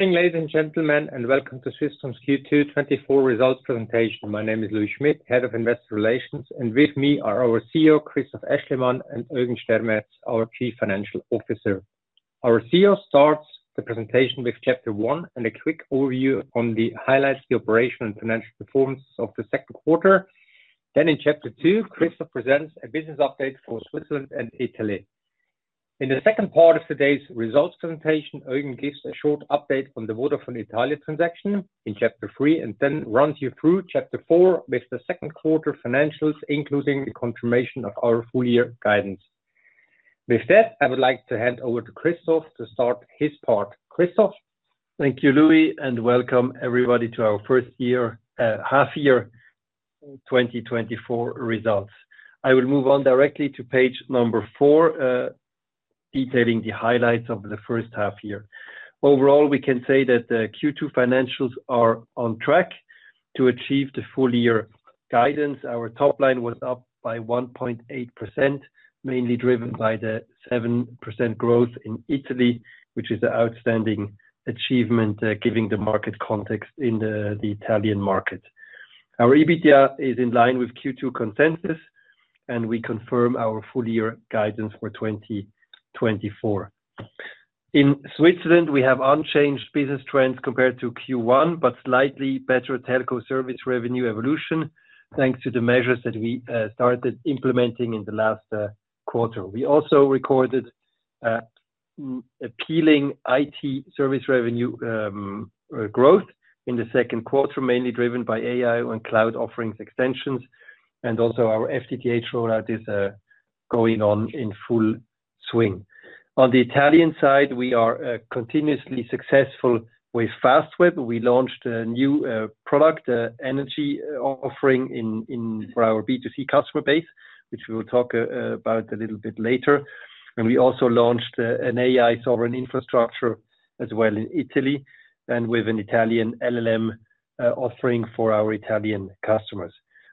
Good evening, ladies and gentlemen, and welcome to Swisscom's Q2 2024 results presentation. My name is Louis Schmid, Head of Investor Relations, and with me are our CEO, Christoph Aeschlimann, and Eugen Stermetz, our Chief Financial Officer. Our CEO starts the presentation with chapter one and a quick overview on the highlights, the operational and financial performance of the second quarter. Then in chapter two, Christoph presents a business update for Switzerland and Italy. In the second part of today's results presentation, Eugen gives a short update on the Vodafone Italia transaction in chapter three and then runs you through chapter four with the second quarter financials, including the confirmation of our full year guidance. With that, I would like to hand over to Christoph to start his part. Christoph? Thank you, Louis, and welcome everybody to our first half year 2024 results. I will move on directly to page number four, detailing the highlights of the first half year. Overall, we can say that the Q2 financials are on track to achieve the full year guidance. Our top line was up by 1.8%, mainly driven by the 7% growth in Italy, which is an outstanding achievement, giving the market context in the Italian market. Our EBITDA is in line with Q2 consensus, and we confirm our full year guidance for 2024. In Switzerland, we have unchanged business trends compared to Q1, but slightly better telco service revenue evolution, thanks to the measures that we started implementing in the last quarter. We also recorded appealing IT service revenue growth in the second quarter, mainly driven by AI and cloud offerings extensions, and also our FTTH rollout is going on in full swing. On the Italian side, we are continuously successful with Fastweb. We launched a new product, energy offering, in for our B2C customer base, which we will talk about a little bit later. We also launched an AI sovereign infrastructure as well in Italy, and with an Italian LLM offering for our Italian customers.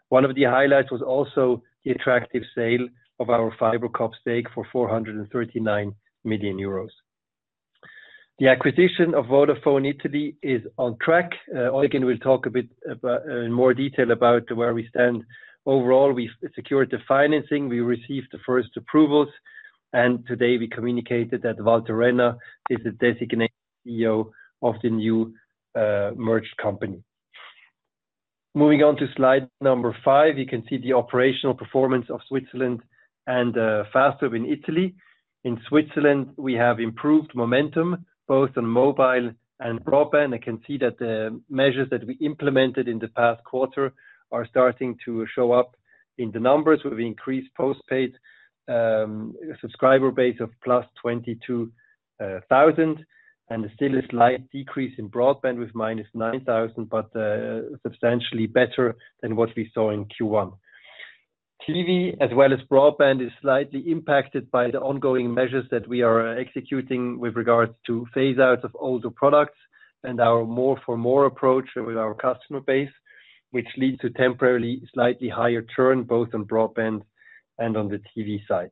One of the highlights was also the attractive sale of our FiberCop stake for 439 million euros. The acquisition of Vodafone Italy is on track. Eugen will talk a bit about in more detail about where we stand. Overall, we've secured the financing, we received the first approvals, and today we communicated that Walter Renna is the designated CEO of the new, merged company. Moving on to slide number 5, you can see the operational performance of Switzerland and, Fastweb in Italy. In Switzerland, we have improved momentum, both on mobile and broadband. I can see that the measures that we implemented in the past quarter are starting to show up in the numbers. We've increased postpaid, subscriber base of +22,000, and still a slight decrease in broadband with -9,000, but, substantially better than what we saw in Q1. TV, as well as broadband, is slightly impacted by the ongoing measures that we are executing with regards to phase outs of older products and our more for more approach with our customer base, which leads to temporarily slightly higher churn, both on broadband and on the TV side.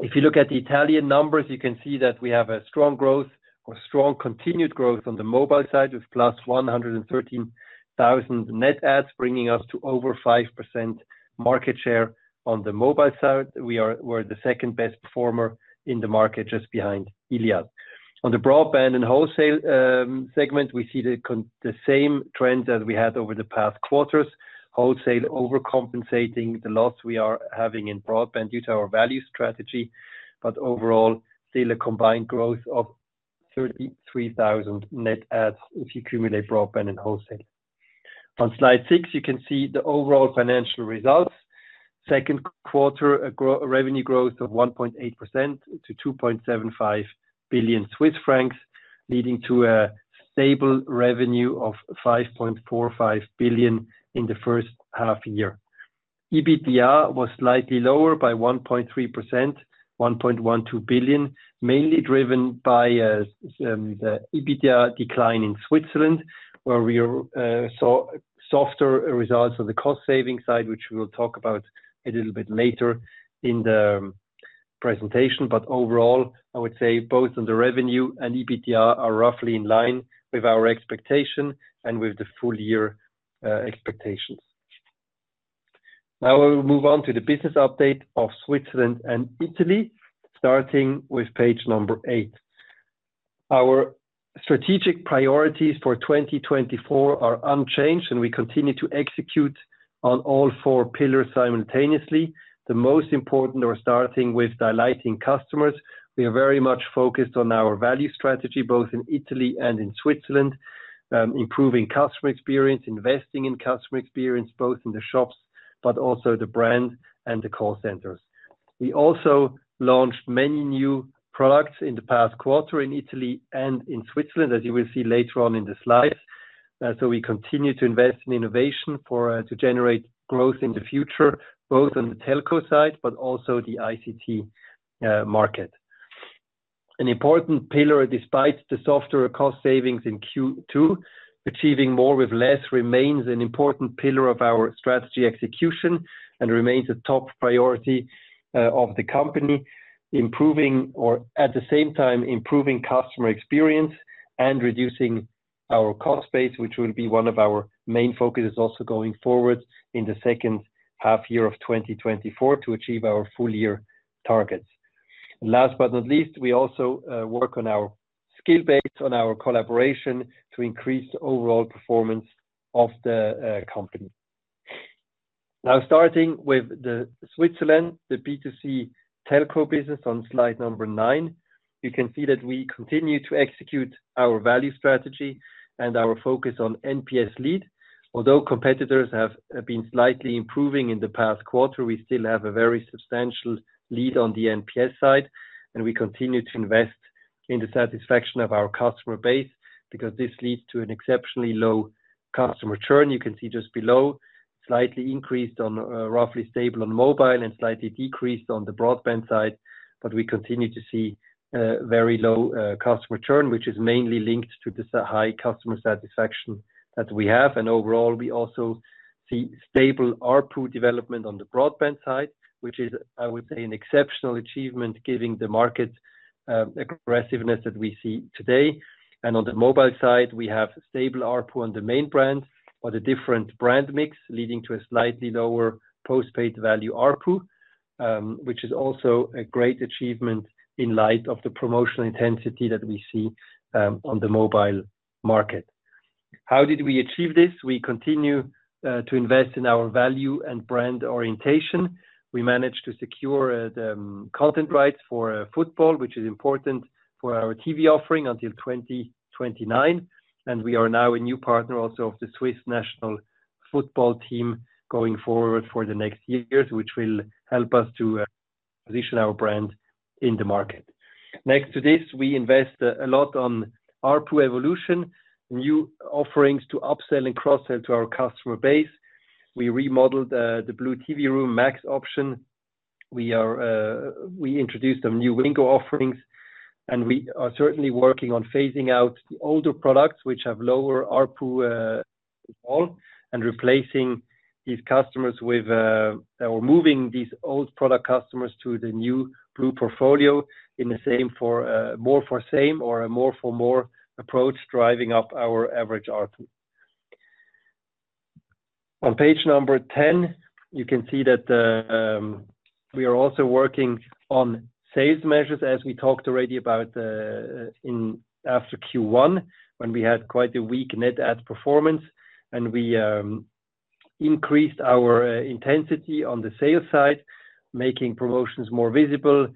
If you look at the Italian numbers, you can see that we have a strong growth or strong continued growth on the mobile side, with +113,000 net adds, bringing us to over 5% market share. On the mobile side, we're the second-best performer in the market, just behind Iliad. On the broadband and wholesale segment, we see the same trends as we had over the past quarters. Wholesale overcompensating the loss we are having in broadband due to our value strategy, but overall, still a combined growth of 33,000 net adds, if you cumulate broadband and wholesale. On slide six, you can see the overall financial results. Second quarter, a revenue growth of 1.8% to 2.75 billion Swiss francs, leading to a stable revenue of 5.45 billion in the first half year. EBITDA was slightly lower by 1.3%, 1.12 billion, mainly driven by the EBITDA decline in Switzerland, where we saw softer results on the cost-saving side, which we will talk about a little bit later in the presentation. But overall, I would say both on the revenue and EBITDA are roughly in line with our expectation and with the full year expectations. Now, we will move on to the business update of Switzerland and Italy, starting with page number eight. Our strategic priorities for 2024 are unchanged, and we continue to execute on all four pillars simultaneously. The most important, we're starting with delighting customers. We are very much focused on our value strategy, both in Italy and in Switzerland, improving customer experience, investing in customer experience, both in the shops, but also the brand and the call centers. We also launched many new products in the past quarter in Italy and in Switzerland, as you will see later on in the slides. So we continue to invest in innovation for to generate growth in the future, both on the telco side, but also the ICT market. An important pillar, despite the softer cost savings in Q2, achieving more with less remains an important pillar of our strategy execution and remains a top priority of the company. Improving, at the same time, improving customer experience and reducing costs... our cost base, which will be one of our main focus also going forward in the second half of 2024 to achieve our full year targets. And last but not least, we also work on our skill base, on our collaboration to increase the overall performance of the company. Now, starting with Switzerland, the B2C telco business on slide number nine, you can see that we continue to execute our value strategy and our focus on NPS-led. Although competitors have been slightly improving in the past quarter, we still have a very substantial lead on the NPS side, and we continue to invest in the satisfaction of our customer base because this leads to an exceptionally low customer churn. You can see just below, slightly increased on, roughly stable on mobile and slightly decreased on the broadband side, but we continue to see, very low, customer churn, which is mainly linked to the high customer satisfaction that we have. And overall, we also see stable ARPU development on the broadband side, which is, I would say, an exceptional achievement, giving the market, aggressiveness that we see today. On the mobile side, we have stable ARPU on the main brand, but a different brand mix, leading to a slightly lower postpaid value ARPU, which is also a great achievement in light of the promotional intensity that we see on the mobile market. How did we achieve this? We continue to invest in our value and brand orientation. We managed to secure content rights for football, which is important for our TV offering until 2029, and we are now a new partner also of the Swiss National Football Team going forward for the next years, which will help us to position our brand in the market. Next to this, we invest a lot on ARPU evolution, new offerings to upsell and cross-sell to our customer base. We remodeled the blue TV room max option. We are, we introduced some new Wingo offerings, and we are certainly working on phasing out the older products, which have lower ARPU, involved, and replacing these customers with... Or moving these old product customers to the new blue portfolio in the same for, more for same or a more for more approach, driving up our average ARPU. On page 10, you can see that the, we are also working on sales measures, as we talked already about, in after Q1, when we had quite a weak net add performance, and we, increased our, intensity on the sales side, making promotions more visible,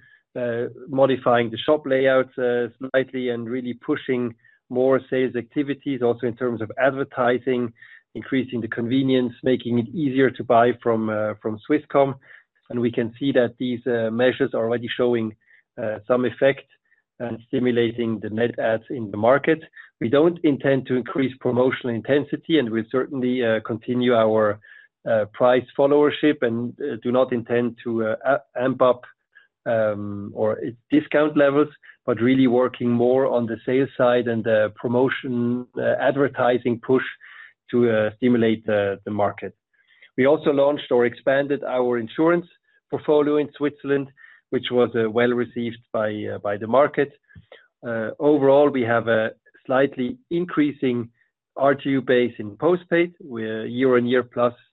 modifying the shop layout, slightly, and really pushing more sales activities, also in terms of advertising, increasing the convenience, making it easier to buy from, from Swisscom. We can see that these measures are already showing some effect and stimulating the net adds in the market. We don't intend to increase promotional intensity, and we certainly continue our price followership and do not intend to amp up or discount levels, but really working more on the sales side and the promotion advertising push to stimulate the market. We also launched or expanded our insurance portfolio in Switzerland, which was well-received by the market. Overall, we have a slightly increasing RGU base in postpaid, with year-on-year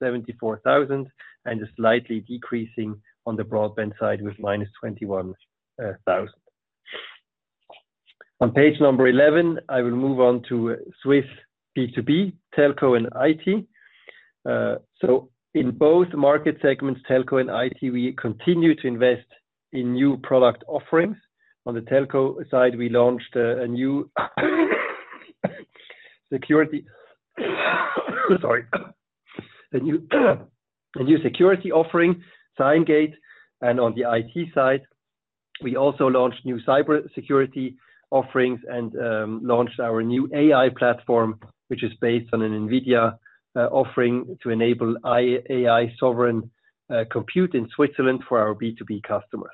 +74,000, and a slightly decreasing on the broadband side with -21,000. On page 11, I will move on to Swiss B2B, telco, and IT. In both market segments, telco and IT, we continue to invest in new product offerings. On the telco side, we launched a new security offering, SCION GATE, and on the IT side, we also launched new cybersecurity offerings and launched our new AI platform, which is based on an NVIDIA offering to enable AI sovereign compute in Switzerland for our B2B customers.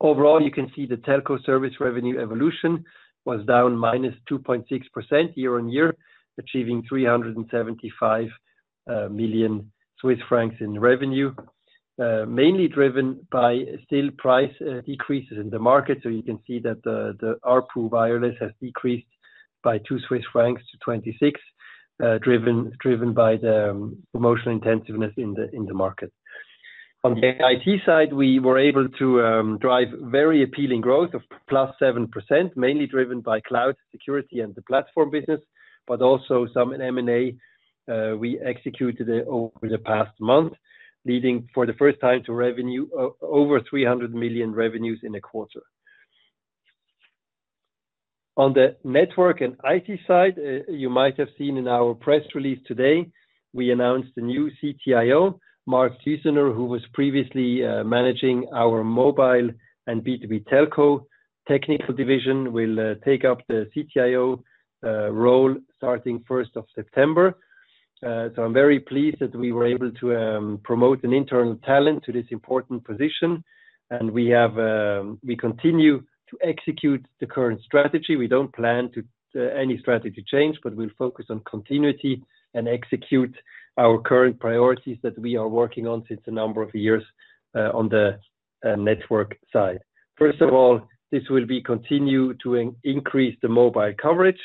Overall, you can see the telco service revenue evolution was down -2.6% year-on-year, achieving CHF 375 million in revenue, mainly driven by still price decreases in the market. So you can see that the ARPU wireless has decreased by 2 Swiss francs to 26, driven by the promotional intensiveness in the market. On the IT side, we were able to drive very appealing growth of +7%, mainly driven by cloud security and the platform business, but also some M&A we executed over the past month, leading for the first time to revenues over 300 million in a quarter. On the network and IT side, you might have seen in our press release today, we announced a new CTIO, Mark Düsener, who was previously managing our mobile and B2B telco technical division, will take up the CTIO role starting first of September. So I'm very pleased that we were able to promote an internal talent to this important position, and we have. We continue to execute the current strategy. We don't plan to any strategy change, but we'll focus on continuity and execute our current priorities that we are working on since a number of years on the network side. First of all, this will be continue to increase the mobile coverage.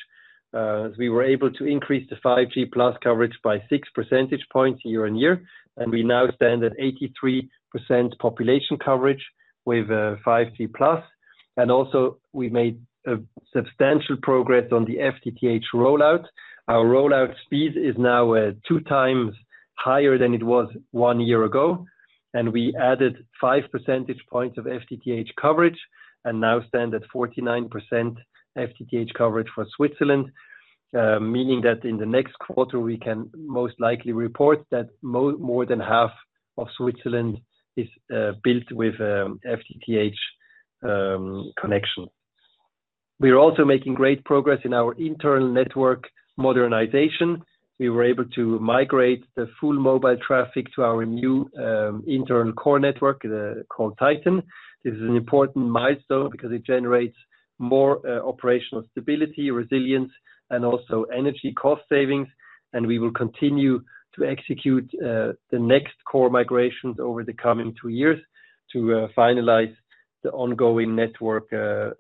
We were able to increase the 5G+ coverage by 6 percentage points year-on-year, and we now stand at 83% population coverage with 5G+. And also we made a substantial progress on the FTTH rollout. Our rollout speed is now 2x higher than it was 1 year ago, and we added 5 percentage points of FTTH coverage and now stand at 49% FTTH coverage for Switzerland. Meaning that in the next quarter, we can most likely report that more than half of Switzerland is built with FTTH connection. We are also making great progress in our internal network modernization. We were able to migrate the full mobile traffic to our new internal core network called Titan. This is an important milestone because it generates more operational stability, resilience, and also energy cost savings, and we will continue to execute the next core migrations over the coming two years to finalize the ongoing network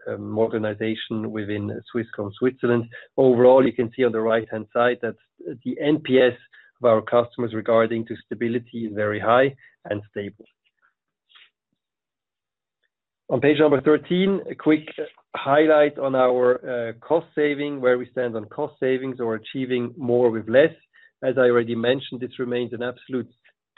organization within Swisscom, Switzerland. Overall, you can see on the right-hand side that the NPS of our customers regarding to stability is very high and stable. On page number 13, a quick highlight on our cost saving, where we stand on cost savings or achieving more with less. As I already mentioned, this remains an absolute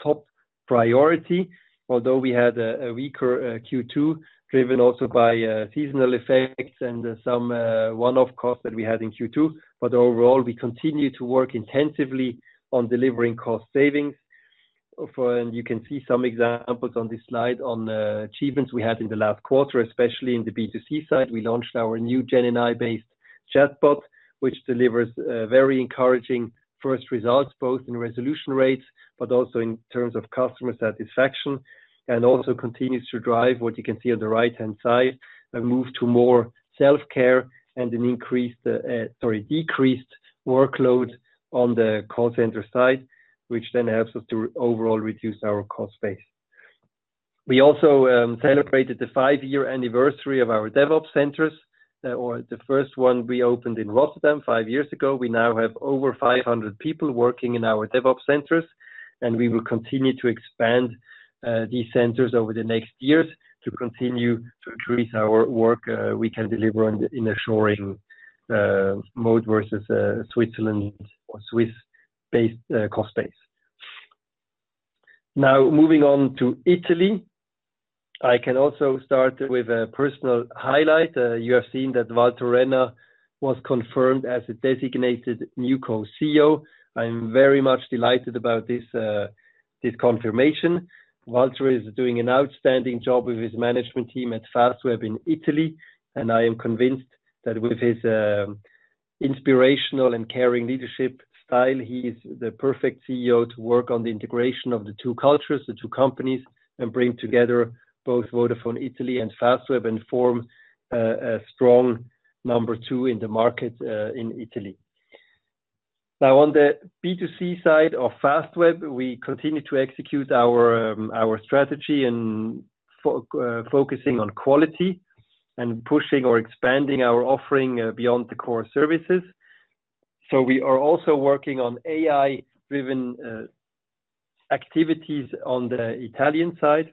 top priority. Although we had a weaker Q2, driven also by seasonal effects and some one-off costs that we had in Q2. Overall, we continue to work intensively on delivering cost savings. You can see some examples on this slide on achievements we had in the last quarter, especially in the B2C side. We launched our new GenAI-based chatbot, which delivers very encouraging first results, both in resolution rates, but also in terms of customer satisfaction, and also continues to drive what you can see on the right-hand side, a move to more self-care and an increased, sorry, decreased workload on the call center side, which then helps us to overall reduce our cost base. We also celebrated the five-year anniversary of our DevOps centers, or the first one we opened in Rotterdam five years ago. We now have over 500 people working in our DevOps centers, and we will continue to expand these centers over the next years to continue to increase our work we can deliver in the inshoring mode versus Switzerland or Swiss-based cost base. Now, moving on to Italy. I can also start with a personal highlight. You have seen that Walter Renna was confirmed as a designated new Co-CEO. I'm very much delighted about this this confirmation. Walter is doing an outstanding job with his management team at Fastweb in Italy, and I am convinced that with his inspirational and caring leadership style, he is the perfect CEO to work on the integration of the two cultures, the two companies, and bring together both Vodafone Italy and Fastweb, and form a strong number two in the market in Italy. Now, on the B2C side of Fastweb, we continue to execute our strategy and focusing on quality and pushing or expanding our offering beyond the core services. So we are also working on AI-driven activities on the Italian side.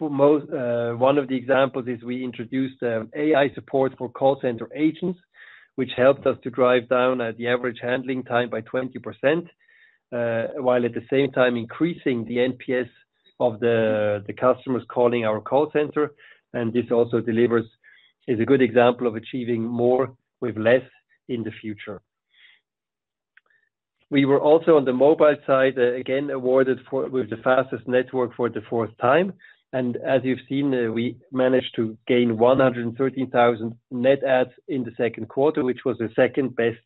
For most, one of the examples is we introduced AI support for call center agents, which helped us to drive down the average handling time by 20%, while at the same time increasing the NPS of the customers calling our call center. And this also delivers... Is a good example of achieving more with less in the future. We were also on the mobile side, again, awarded with the fastest network for the fourth time, and as you've seen, we managed to gain 113,000 net adds in the second quarter, which was the second-best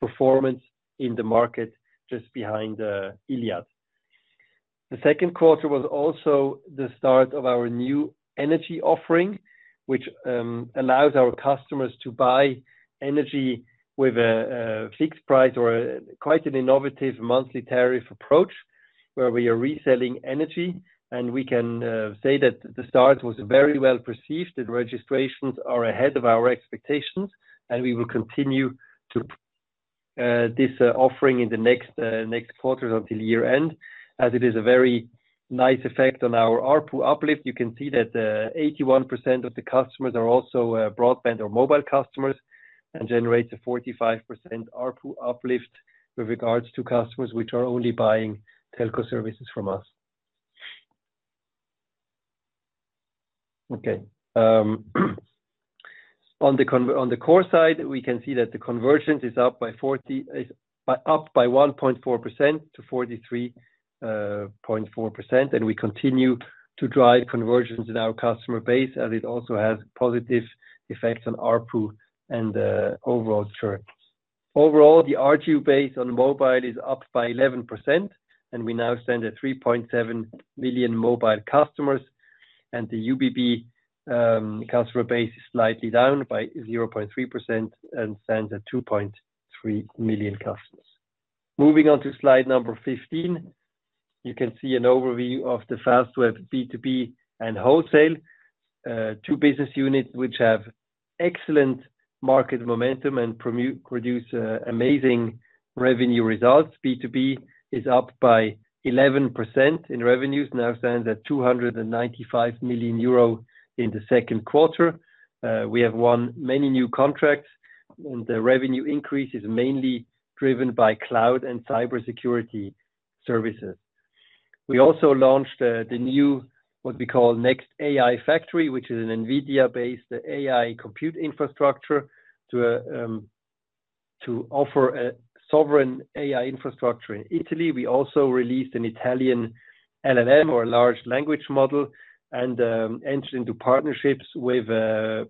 performance in the market, just behind Iliad. The second quarter was also the start of our new energy offering, which allows our customers to buy energy with a fixed price or quite an innovative monthly tariff approach, where we are reselling energy. We can say that the start was very well received, and registrations are ahead of our expectations, and we will continue this offering in the next quarter until year-end, as it is a very nice effect on our ARPU uplift. You can see that, 81% of the customers are also broadband or mobile customers, and generates a 45% ARPU uplift with regards to customers which are only buying telco services from us. Okay, on the core side, we can see that the conversions is up by 1.4% to 43.4%, and we continue to drive conversions in our customer base, and it also has positive effects on ARPU and overall churn. Overall, the ARPU base on mobile is up by 11%, and we now stand at 3.7 million mobile customers, and the UBB customer base is slightly down by 0.3% and stands at 2.3 million customers. Moving on to slide number 15. You can see an overview of the Fastweb B2B and wholesale two business units, which have excellent market momentum and produce amazing revenue results. B2B is up by 11% in revenues, now stands at 295 million euro in the second quarter. We have won many new contracts, and the revenue increase is mainly driven by cloud and cybersecurity services. We also launched the new, what we call NeXXt AI Factory, which is an NVIDIA-based AI compute infrastructure to to offer a sovereign AI infrastructure in Italy. We also released an Italian LLM or a large language model, and entered into partnerships with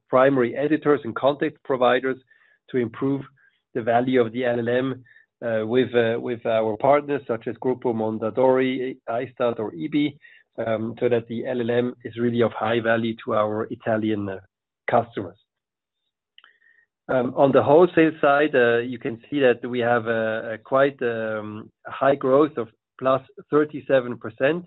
primary editors and content providers to improve the value of the LLM with our partners such as Gruppo Mondadori, Istat or [ED] so that the LLM is really of high value to our Italian customers. On the wholesale side, you can see that we have a quite high growth of +37%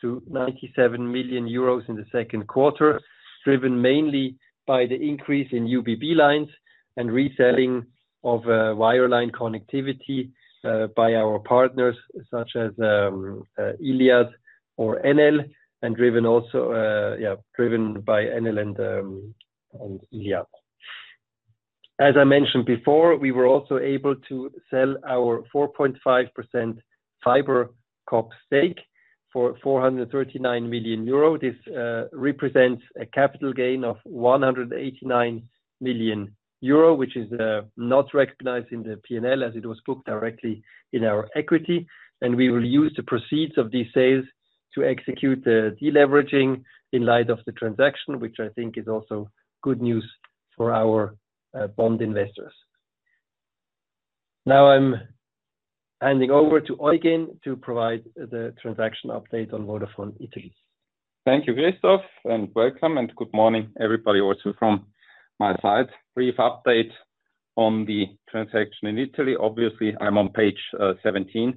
to 97 million euros in the second quarter, driven mainly by the increase in UBB lines and reselling of wireline connectivity by our partners, such as Iliad or Enel, and driven also, yeah, driven by Enel and Iliad. As I mentioned before, we were also able to sell our 4.5% FiberCop stake for 439 million euro. This represents a capital gain of 189 million euro, which is not recognized in the P&L, as it was booked directly in our equity, and we will use the proceeds of these sales to execute the deleveraging in light of the transaction, which I think is also good news for our bond investors. Now I'm handing over to Eugen to provide the transaction update on Vodafone Italy. Thank you, Christoph, and welcome, and good morning, everybody, also from my side. Brief update on the transaction in Italy. Obviously, I'm on page 17.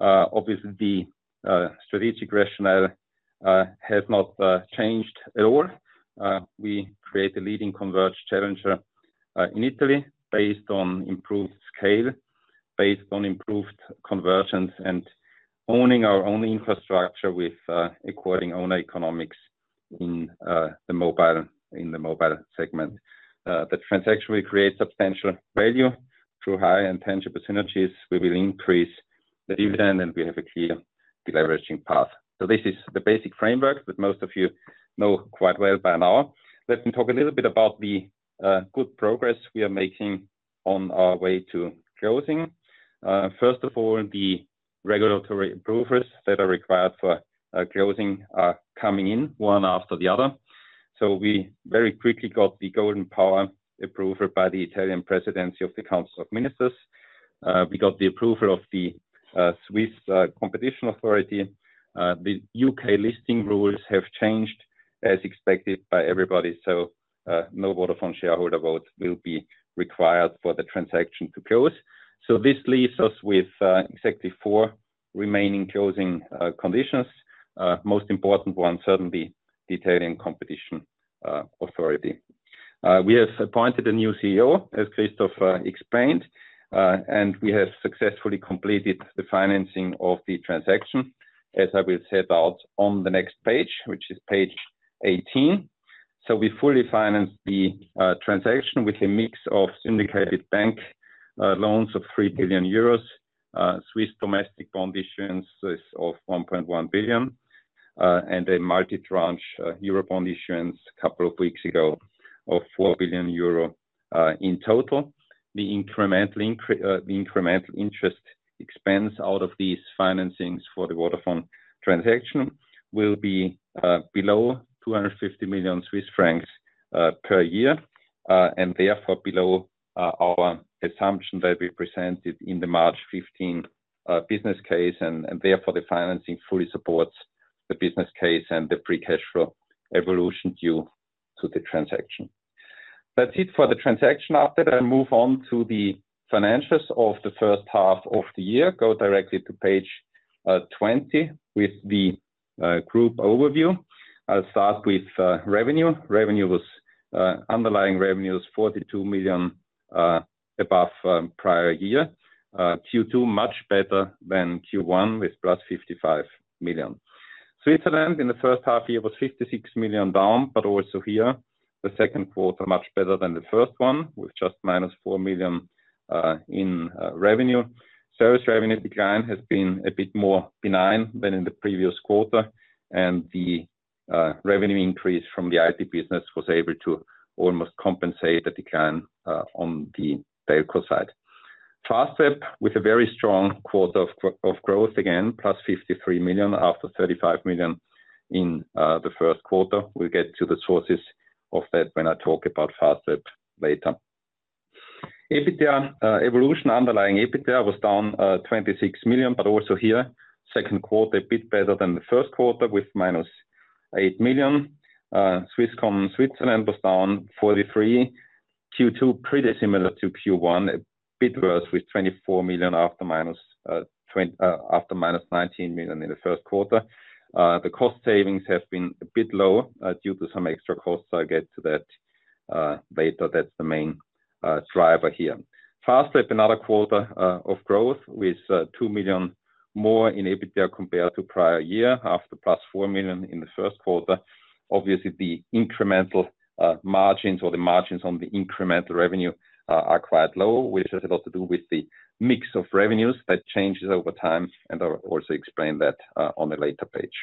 Obviously, the strategic rationale has not changed at all. We create a leading converged challenger in Italy, based on improved scale, based on improved conversions and owning our own infrastructure with acquiring own economics in the mobile, in the mobile segment. The transaction will create substantial value through high and tangible synergies. We will increase the dividend, and we have a clear deleveraging path. So this is the basic framework that most of you know quite well by now. Let me talk a little bit about the good progress we are making on our way to closing. First of all, the regulatory approvals that are required for closing are coming in one after the other. So we very quickly got the Golden Power approval by the Italian Presidency of the Council of Ministers. We got the approval of the Swiss Competition Authority. The U.K. listing rules have changed as expected by everybody, so no Vodafone shareholder vote will be required for the transaction to close. So this leaves us with exactly four remaining closing conditions. Most important one, certainly the Italian Competition Authority. We have appointed a new CEO, as Christoph explained, and we have successfully completed the financing of the transaction, as I will set out on the next page, which is page 18. So we fully financed the transaction with a mix of syndicated bank loans of 3 billion euros, Swiss domestic bond issuance of 1.1 billion, and a multi-tranche euro bond issuance a couple of weeks ago of 4 billion euro in total. The incremental interest expense out of these financings for the Vodafone transaction will be below 250 million Swiss francs per year, and therefore below our assumption that we presented in the March 15 business case. And therefore, the financing fully supports the business case and the free cash flow evolution due to the transaction. That's it for the transaction update. I'll move on to the financials of the first half of the year. Go directly to page 20 with the group overview. I'll start with revenue. Revenue was underlying revenue was 42 million above prior year. Q2, much better than Q1, with +55 million. Switzerland in the first half year was 56 million down, but also here, the second quarter, much better than the first one, with just -4 million in revenue. Service revenue decline has been a bit more benign than in the previous quarter, and the revenue increase from the IT business was able to almost compensate the decline on the vehicle side. Fastweb, with a very strong quarter of growth, again, +53 million after 35 million in the first quarter. We'll get to the sources of that when I talk about Fastweb later. EBITDA evolution. Underlying EBITDA was down 26 million, but also here, second quarter a bit better than the first quarter, with -8 million. Swisscom Switzerland was down 43 million. Q2, pretty similar to Q1, a bit worse with 24 million after -19 million in the first quarter. The cost savings have been a bit lower due to some extra costs, I'll get to that later. That's the main driver here. Fastweb, another quarter of growth with 2 million more in EBITDA compared to prior year, after +4 million in the first quarter. Obviously, the incremental margins or the margins on the incremental revenue are quite low, which has a lot to do with the mix of revenues that changes over time, and I'll also explain that on a later page.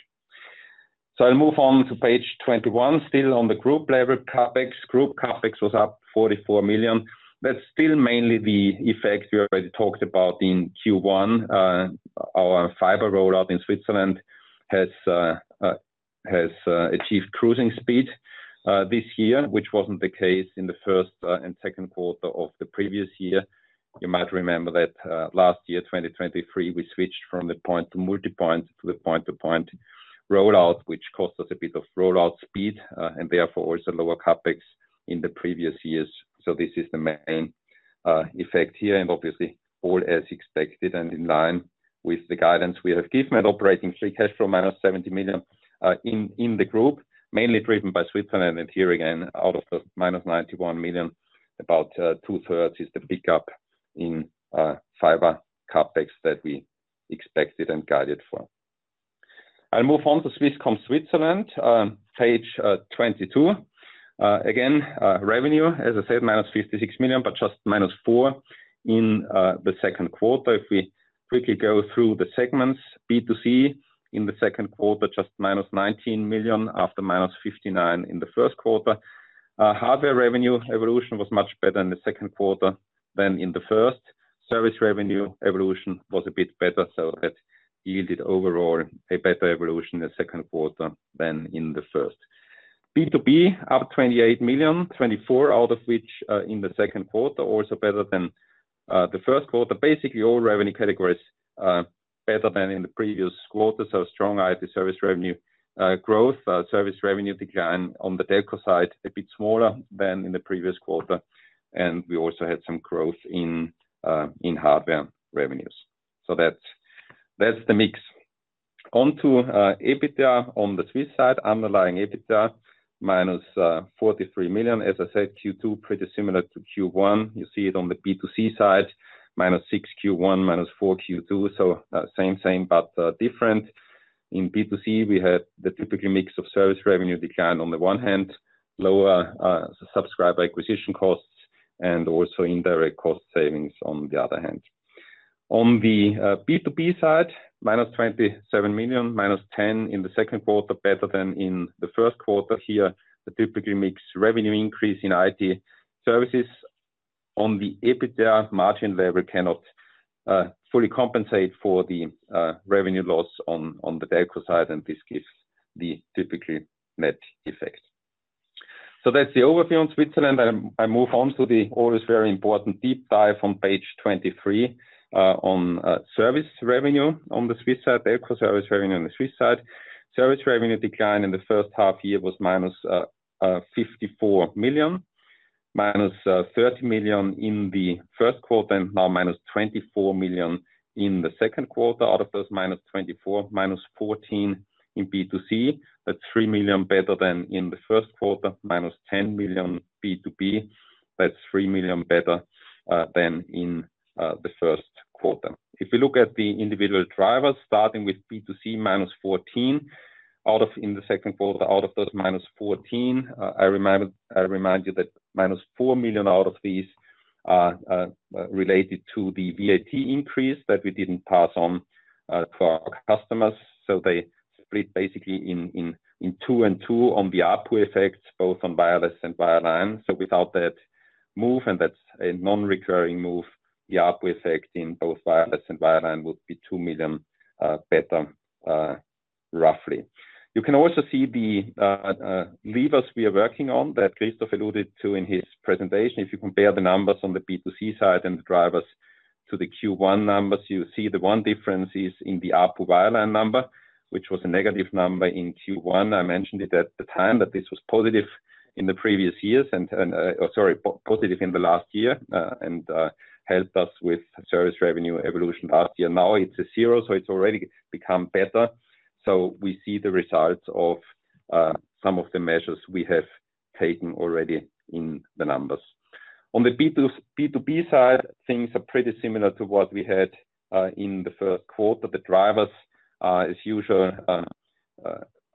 So I'll move on to page 21. Still on the group level, CapEx. Group CapEx was up 44 million. That's still mainly the effect we already talked about in Q1. Our fiber rollout in Switzerland has achieved cruising speed this year, which wasn't the case in the first and second quarter of the previous year. You might remember that last year, 2023, we switched from the point-to-multipoint to the point-to-point rollout, which cost us a bit of rollout speed and therefore, also lower CapEx in the previous years. So this is the main effect here, and obviously, all as expected and in line with the guidance we have given. At operating free cash flow, -70 million in the group, mainly driven by Switzerland. Here again, out of the -91 million, about two-thirds is the pickup in fiber CapEx that we expected and guided for. I'll move on to Swisscom Switzerland, page 22. Again, revenue, as I said, -56 million, but just -4 million in the second quarter. If we quickly go through the segments, B2C in the second quarter, just -19 million, after -59 million in the first quarter. Hardware revenue evolution was much better in the second quarter than in the first. Service revenue evolution was a bit better, so that yielded overall a better evolution in the second quarter than in the first. B2B, up 28 million, 24 million, out of which in the second quarter, also better than the first quarter. Basically, all revenue categories better than in the previous quarter. So strong IT service revenue growth, service revenue decline on the telco side, a bit smaller than in the previous quarter. And we also had some growth in hardware revenues. So that's the mix. On to EBITDA on the Swiss side. Underlying EBITDA, -43 million. As I said, Q2 pretty similar to Q1. You see it on the B2C side, -6 million Q1, -4 million Q2. So same, same, but different. In B2C, we had the typical mix of service revenue decline on the one hand, lower subscriber acquisition costs, and also indirect cost savings on the other hand. On the B2B side, -27 million, -10 million in the second quarter, better than in the first quarter. Here, the typical mix revenue increase in IT services on the EBITDA margin level cannot fully compensate for the revenue loss on the telco side, and this gives the typical net effect. So that's the overview on Switzerland. I move on to the always very important deep dive on page 23, on service revenue on the Swiss side, the telco service revenue on the Swiss side. Service revenue decline in the first half year was -54 million, -30 million in the first quarter, and now -24 million in the second quarter. Out of those, -24 million, -14 million in B2C, that's 3 million better than in the first quarter, -10 million B2B, that's 3 million better than in the first quarter. If you look at the individual drivers, starting with B2C, -14 million, out of in the second quarter, out of those -14 million, I remind you that -4 million out of these are related to the VAT increase that we didn't pass on to our customers. So they split basically in two and two on the ARPU effects, both on wireless and wireline. So without that move, and that's a non-recurring move, the ARPU effect in both wireless and wireline would be 2 million better, roughly. You can also see the levers we are working on that Christoph alluded to in his presentation. If you compare the numbers on the B2C side and the drivers to the Q1 numbers, you see the one difference is in the ARPU wireline number, which was a negative number in Q1. I mentioned it at the time, that this was positive in the previous years and positive in the last year, and helped us with service revenue evolution last year. Now it's a zero, so it's already become better. So we see the results of some of the measures we have taken already in the numbers. On the B2B side, things are pretty similar to what we had in the first quarter. The drivers, as usual,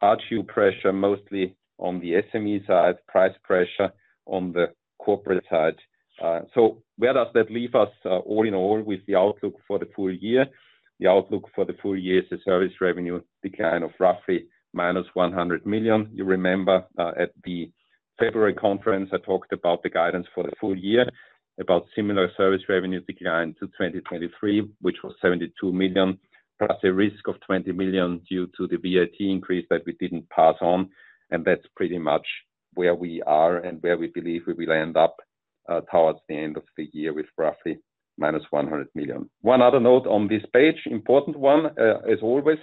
ARPU pressure, mostly on the SME side, price pressure on the corporate side. So where does that leave us, all in all, with the outlook for the full year? The outlook for the full year is a service revenue decline of roughly -100 million. You remember at the February conference, I talked about the guidance for the full year, about similar service revenue decline to 2023, which was 72 million, plus a risk of 20 million due to the VAT increase that we didn't pass on. That's pretty much where we are and where we believe we will end up towards the end of the year, with roughly -100 million. One other note on this page, important one, as always,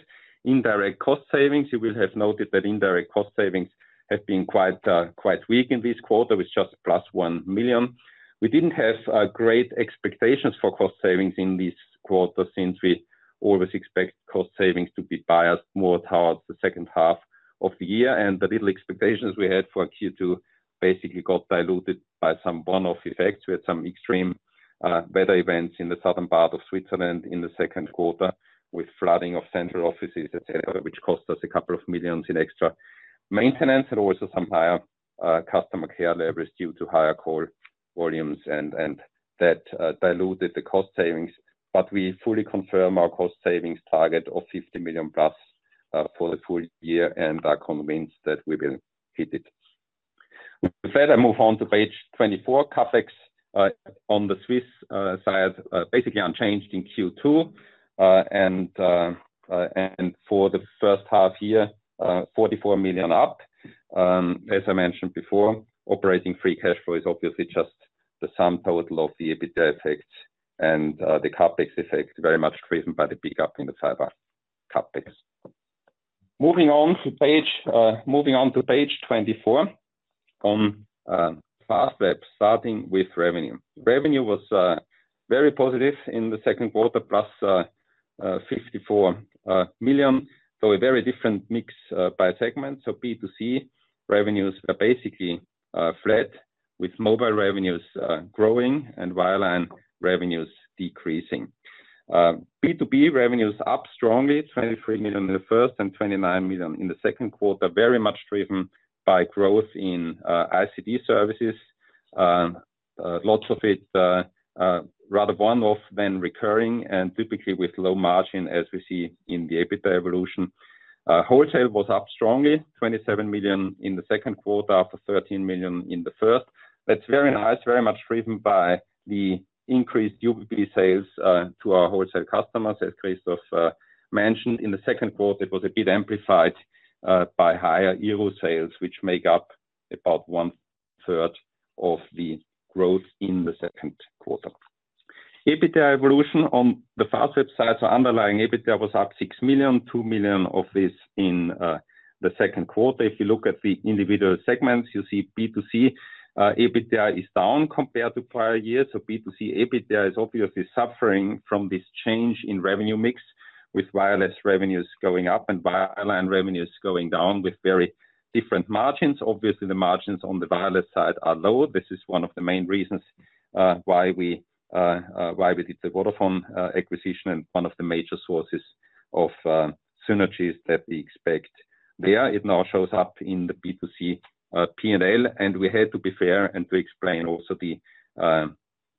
indirect cost savings. You will have noted that indirect cost savings have been quite, quite weak in this quarter, with just +1 million. We didn't have great expectations for cost savings in this quarter, since we always expect cost savings to be biased more towards the second half of the year. And the little expectations we had for Q2 basically got diluted by some one-off effects. We had some extreme weather events in the southern part of Switzerland in the second quarter, with flooding of central offices, et cetera, which cost us a couple of millions in extra maintenance, and also some higher customer care levels due to higher call volumes, and that diluted the cost savings. But we fully confirm our cost savings target of 50 million+ for the full year and are convinced that we will hit it. With that, I move on to page 24. CapEx on the Swiss side basically unchanged in Q2. And for the first half year, 44 million up. As I mentioned before, operating free cash flow is obviously just the sum total of the EBITDA effects and the CapEx effect, very much driven by the big up in the fiber CapEx. Moving on to page 24. On Fastweb, starting with revenue. Revenue was very positive in the second quarter, +54 million. So a very different mix by segment. So B2C revenues are basically flat, with mobile revenues growing and wireline revenues decreasing. B2B revenues up strongly, 23 million in the first and 29 million in the second quarter. Very much driven by growth in ICT services. Lots of it rather one-off than recurring, and typically with low margin, as we see in the EBITDA evolution. Wholesale was up strongly, 27 million in the second quarter, after 13 million in the first. That's very nice, very much driven by the increased UBB sales to our wholesale customers, as Christoph mentioned. In the second quarter, it was a bit amplified by higher euro sales, which make up about one third of the growth in the second quarter. EBITDA evolution on the Fastweb side, so underlying EBITDA was up 6 million, 2 million of this in the second quarter. If you look at the individual segments, you see B2C EBITDA is down compared to prior years. So B2C EBITDA is obviously suffering from this change in revenue mix, with wireless revenues going up and wireline revenues going down, with very different margins. Obviously, the margins on the wireless side are lower. This is one of the main reasons why we did the Vodafone acquisition and one of the major sources of synergies that we expect there. It now shows up in the B2C P&L, and we had to be fair and to explain also the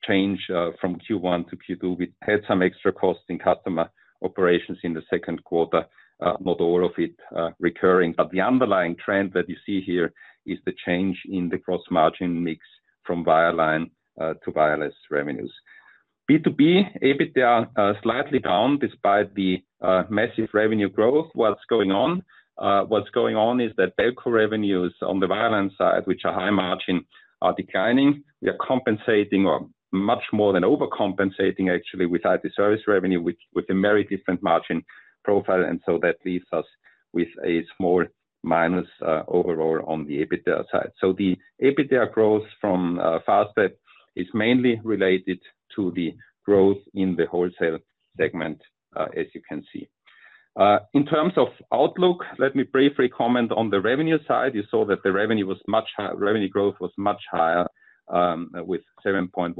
change from Q1 to Q2. We had some extra costs in customer operations in the second quarter, not all of it recurring. But the underlying trend that you see here is the change in the gross margin mix from wireline to wireless revenues. B2B EBITDA slightly down, despite the massive revenue growth. What's going on? What's going on is that telco revenues on the wireline side, which are high margin, are declining. We are compensating, or much more than overcompensating actually, with IT service revenue, which with a very different margin profile, and so that leaves us with a small minus, overall on the EBITDA side. So the EBITDA growth from Fastweb is mainly related to the growth in the wholesale segment, as you can see. In terms of outlook, let me briefly comment on the revenue side. You saw that the revenue was much high-- revenue growth was much higher, with 7.1%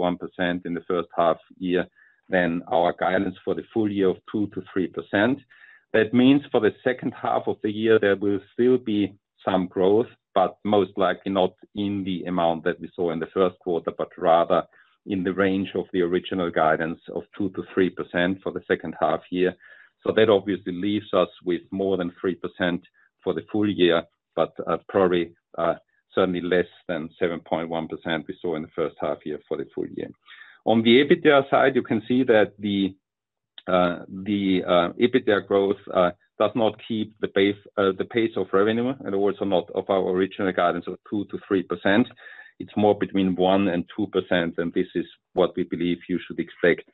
in the first half year than our guidance for the full year of 2%-3%. That means for the second half of the year, there will still be some growth, but most likely not in the amount that we saw in the first quarter, but rather in the range of the original guidance of 2%-3% for the second half year. So that obviously leaves us with more than 3% for the full year, but probably certainly less than 7.1% we saw in the first half year for the full year. On the EBITDA side, you can see that the EBITDA growth does not keep the pace of revenue. In other words, not of our original guidance of 2%-3%. It's more between 1% and 2%, and this is what we believe you should expect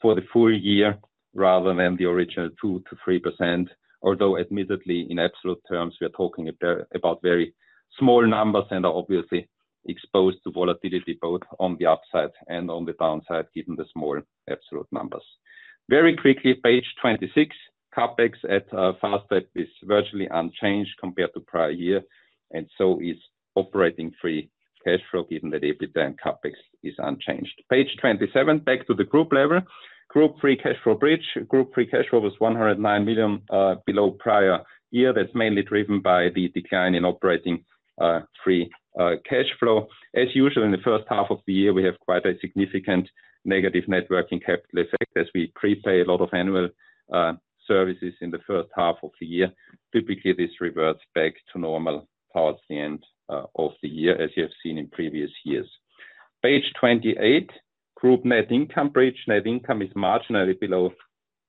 for the full year rather than the original 2%-3%. Although admittedly, in absolute terms, we are talking about very small numbers and are obviously exposed to volatility both on the upside and on the downside, given the small absolute numbers. Very quickly, page 26. CapEx at Fastweb is virtually unchanged compared to prior year, and so is operating free cash flow, given that EBITDA and CapEx is unchanged. Page 27, back to the group level. Group free cash flow bridge. Group free cash flow was 109 million below prior year. That's mainly driven by the decline in operating free cash flow. As usual, in the first half of the year, we have quite a significant negative working capital effect, as we prepay a lot of annual services in the first half of the year. Typically, this reverts back to normal towards the end of the year, as you have seen in previous years. Page 28, group net income bridge. Net income is marginally below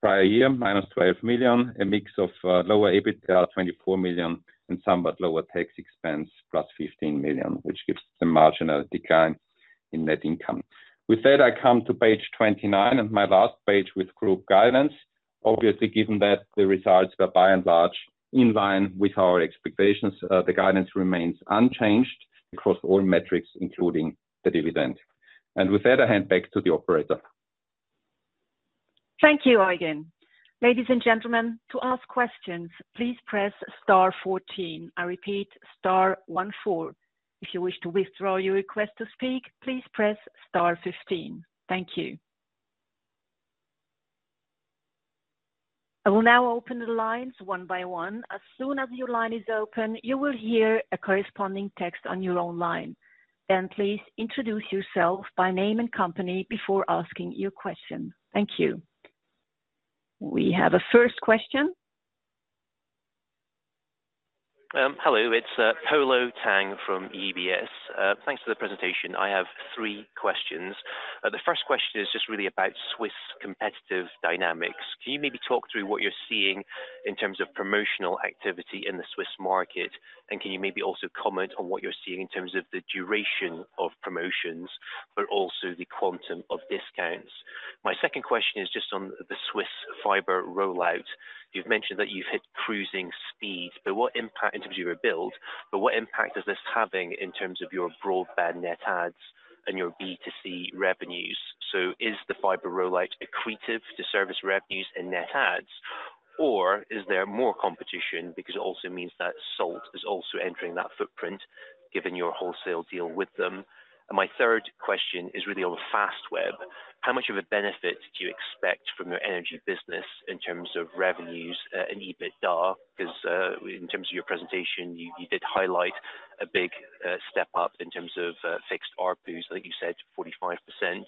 prior year, -12 million. A mix of lower EBITDA, 24 million, and somewhat lower tax expense, +15 million, which gives the marginal decline. in net income. With that, I come to page 29, and my last page with group guidance. Obviously, given that the results were by and large in line with our expectations, the guidance remains unchanged across all metrics, including the dividend. With that, I hand back to the operator. Thank you, Eugen. Ladies and gentlemen, to ask questions, please press star 14. I repeat, star 14. If you wish to withdraw your request to speak, please press star 15. Thank you. I will now open the lines one by one. As soon as your line is open, you will hear a corresponding tone on your own line. Then please introduce yourself by name and company before asking your question. Thank you. We have a first question. Hello, it's Polo Tang from UBS. Thanks for the presentation. I have three questions. The first question is just really about Swiss competitive dynamics. Can you maybe talk through what you're seeing in terms of promotional activity in the Swiss market, and can you maybe also comment on what you're seeing in terms of the duration of promotions, but also the quantum of discounts? My second question is just on the Swiss fiber rollout. You've mentioned that you've hit cruising speed, but what impact in terms of your build, but what impact is this having in terms of your broadband net adds and your B2C revenues? So is the fiber rollout accretive to service revenues and net adds, or is there more competition? Because it also means that Salt is also entering that footprint, given your wholesale deal with them. My third question is really on Fastweb. How much of a benefit do you expect from your energy business in terms of revenues, and EBITDA? Because, in terms of your presentation, you, you did highlight a big, step up in terms of, fixed ARPUs, I think you said 45%.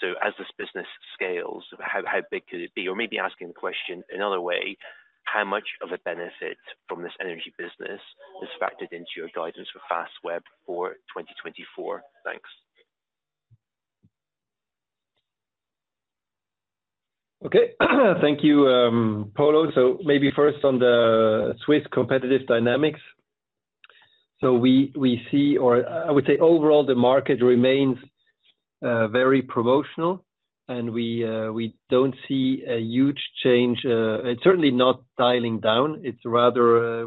So as this business scales, how, how big could it be? Or maybe asking the question another way, how much of a benefit from this energy business is factored into your guidance for Fastweb for 2024? Thanks. Okay. Thank you, Polo. So maybe first on the Swiss competitive dynamics. So we, we see, or I would say overall, the market remains very promotional, and we, we don't see a huge change, it's certainly not dialing down. It's rather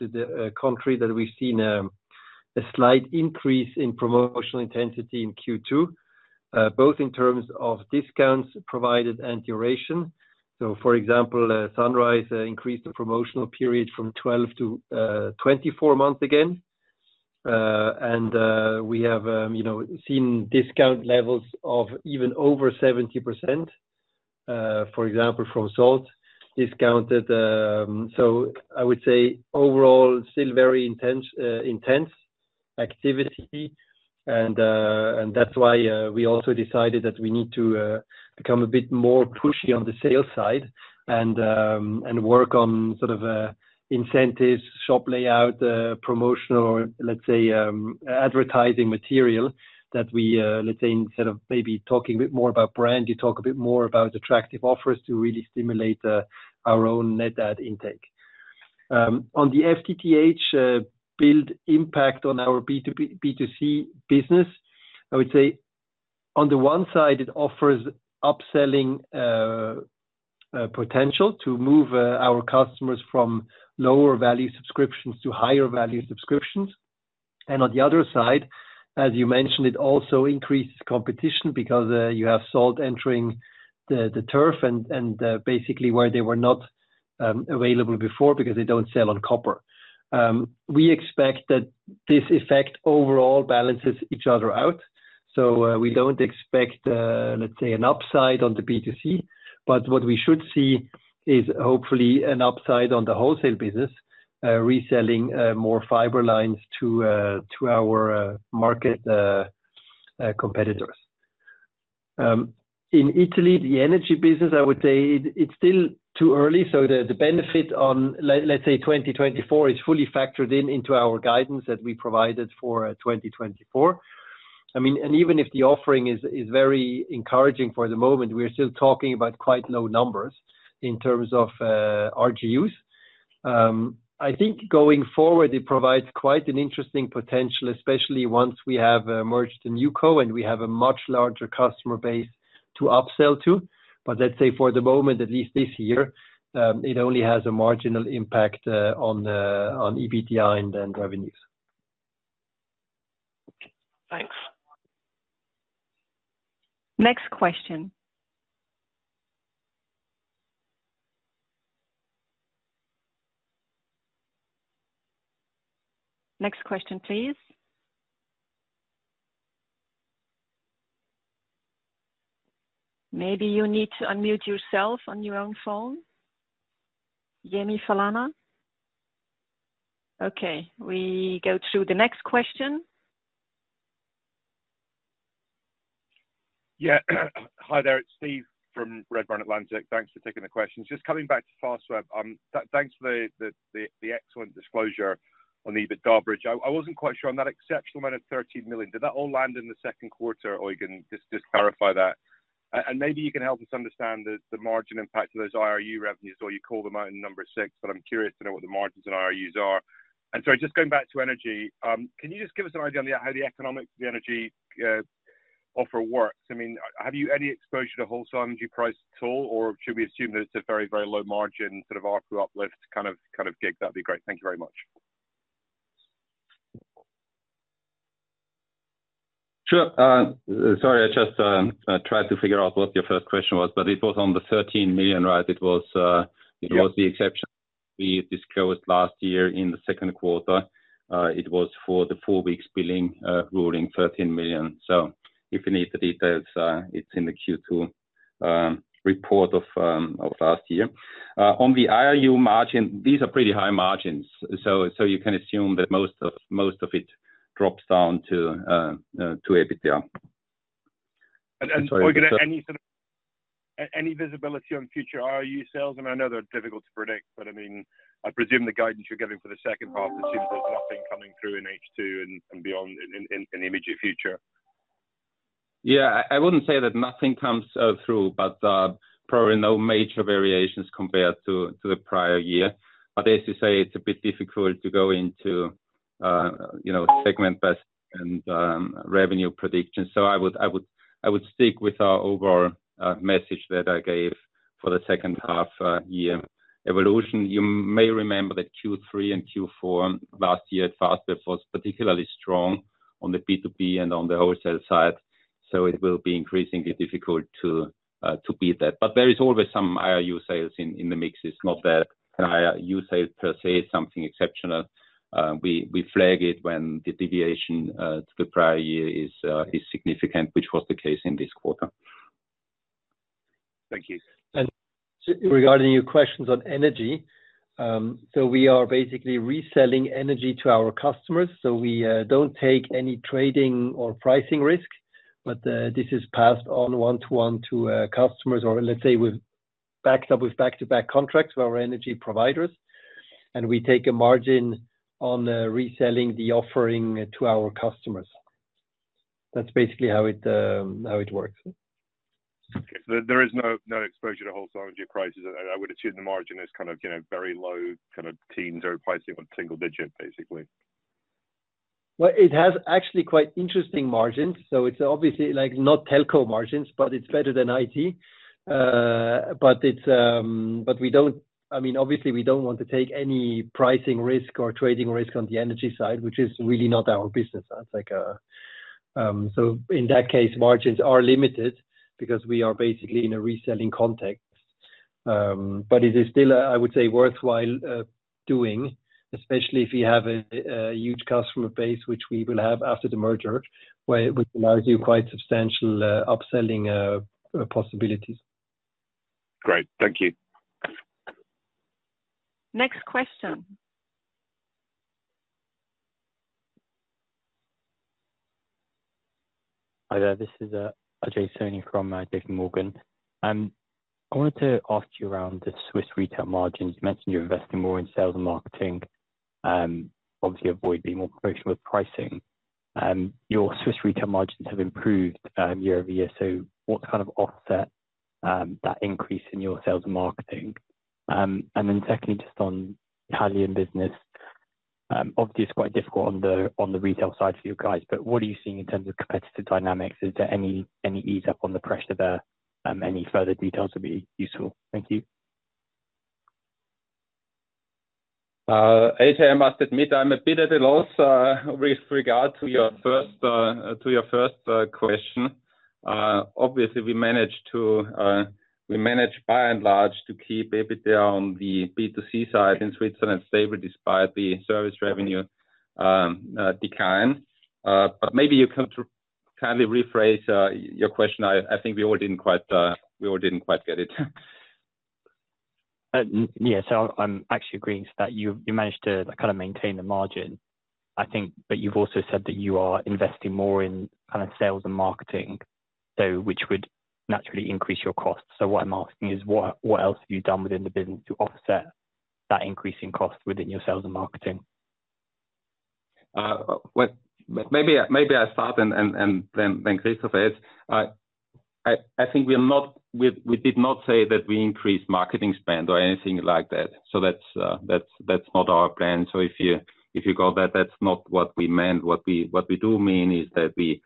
the contrary, that we've seen a slight increase in promotional intensity in Q2, both in terms of discounts provided and duration. So, for example, Sunrise increased the promotional period from 12 to 24 months again. And we have, you know, seen discount levels of even over 70%, for example, from Salt discounted. So I would say overall, still very intense, intense activity, and, and that's why, we also decided that we need to, become a bit more pushy on the sales side and, and work on sort of, incentives, shop layout, promotional, or let's say, advertising material, that we, let's say, instead of maybe talking a bit more about brand, you talk a bit more about attractive offers to really stimulate, our own net add intake. On the FTTH, build impact on our B2B, B2C business, I would say on the one side, it offers upselling, potential to move, our customers from lower value subscriptions to higher value subscriptions. And on the other side, as you mentioned, it also increases competition because you have Salt entering the turf and basically where they were not available before because they don't sell on copper. We expect that this effect overall balances each other out, so we don't expect, let's say, an upside on the B2C, but what we should see is hopefully an upside on the wholesale business, reselling more fiber lines to our competitors. In Italy, the energy business, I would say it's still too early, so the benefit on, let's say 2024, is fully factored in into our guidance that we provided for 2024. I mean, and even if the offering is very encouraging for the moment, we are still talking about quite low numbers in terms of RGUs. I think going forward, it provides quite an interesting potential, especially once we have merged the NewCo, and we have a much larger customer base to upsell to. But let's say, for the moment, at least this year, it only has a marginal impact on the EBITDA and revenues. Thanks. Next question. Next question, please. Maybe you need to unmute yourself on your own phone, Yemi Falana? Okay, we go to the next question. Yeah. Hi there, it's Steve from Redburn Atlantic. Thanks for taking the questions. Just coming back to Fastweb, thanks for the excellent disclosure on the EBITDA bridge. I wasn't quite sure on that exceptional amount of 13 million, did that all land in the second quarter, or you can just clarify that? And maybe you can help us understand the margin impact of those IRU revenues, you call them out in number six, but I'm curious to know what the margins on IRUs are. And so just going back to energy, can you just give us an idea on how the economics of the energy offer works? I mean, have you any exposure to wholesale energy price at all, or should we assume that it's a very, very low margin, sort of, RC uplift kind of, kind of gig? That'd be great. Thank you very much. Sure. Sorry, I just tried to figure out what your first question was, but it was on the 13 million, right? It was- Yes. It was the exception we disclosed last year in the second quarter. It was for the 4 weeks billing ruling 13 million. So if you need the details, it's in the Q2 report of last year. On the IRU margin, these are pretty high margins. So you can assume that most of it drops down to EBITDA. Any visibility on future IRU sales? And I know they're difficult to predict, but I mean, I presume the guidance you're giving for the second half assumes there's nothing coming through in H2 and beyond in the immediate future. Yeah. I wouldn't say that nothing comes through, but probably no major variations compared to the prior year. But as you say, it's a bit difficult to go into, you know, segment by and revenue predictions. So I would stick with our overall message that I gave for the second half year. Evolution, you may remember that Q3 and Q4 last year at Fastweb was particularly strong on the B2B and on the wholesale side, so it will be increasingly difficult to beat that. But there is always some IRU sales in the mix. It's not that IRU sales per se is something exceptional. We flag it when the deviation to the prior year is significant, which was the case in this quarter. Thank you. Regarding your questions on energy, so we are basically reselling energy to our customers, so we don't take any trading or pricing risk, but this is passed on one to one to customers, or let's say backed up with back-to-back contracts with our energy providers, and we take a margin on reselling the offering to our customers. That's basically how it works. Okay. So there is no, no exposure to wholesale energy prices, and I would assume the margin is kind of, you know, very low, kind of, teens or pricing on single digit, basically. Well, it has actually quite interesting margins, so it's obviously like not telco margins, but it's better than IT. But we don't, I mean, obviously, we don't want to take any pricing risk or trading risk on the energy side, which is really not our business. That's like, so in that case, margins are limited because we are basically in a reselling context. But it is still, I would say, worthwhile doing, especially if you have a huge customer base, which we will have after the merger, where it would allow you quite substantial upselling possibilities. Great. Thank you. Next question. Hi there, this is Ajay Soni from JPMorgan. I wanted to ask you around the Swiss retail margins. You mentioned you're investing more in sales and marketing, obviously avoid being more professional with pricing. Your Swiss retail margins have improved year-over-year, so what's kind of offset that increase in your sales and marketing? And then secondly, just on Italian business, obviously, it's quite difficult on the retail side for you guys, but what are you seeing in terms of competitive dynamics? Is there any ease up on the pressure there? Any further details would be useful. Thank you. Ajay, I must admit, I'm a bit at a loss with regard to your first question. Obviously, we managed, by and large, to keep EBITDA on the B2C side in Switzerland stable despite the service revenue decline. But maybe you can kindly rephrase your question. I think we all didn't quite get it. Yeah. So I'm actually agreeing to that. You managed to kind of maintain the margin, I think, but you've also said that you are investing more in kind of sales and marketing, so which would naturally increase your costs. So what I'm asking is, what else have you done within the business to offset that increase in cost within your sales and marketing? Well, maybe I start and then Christoph. I think we are not. We did not say that we increased marketing spend or anything like that. So that's not our plan. So if you got that, that's not what we meant. What we do mean is that we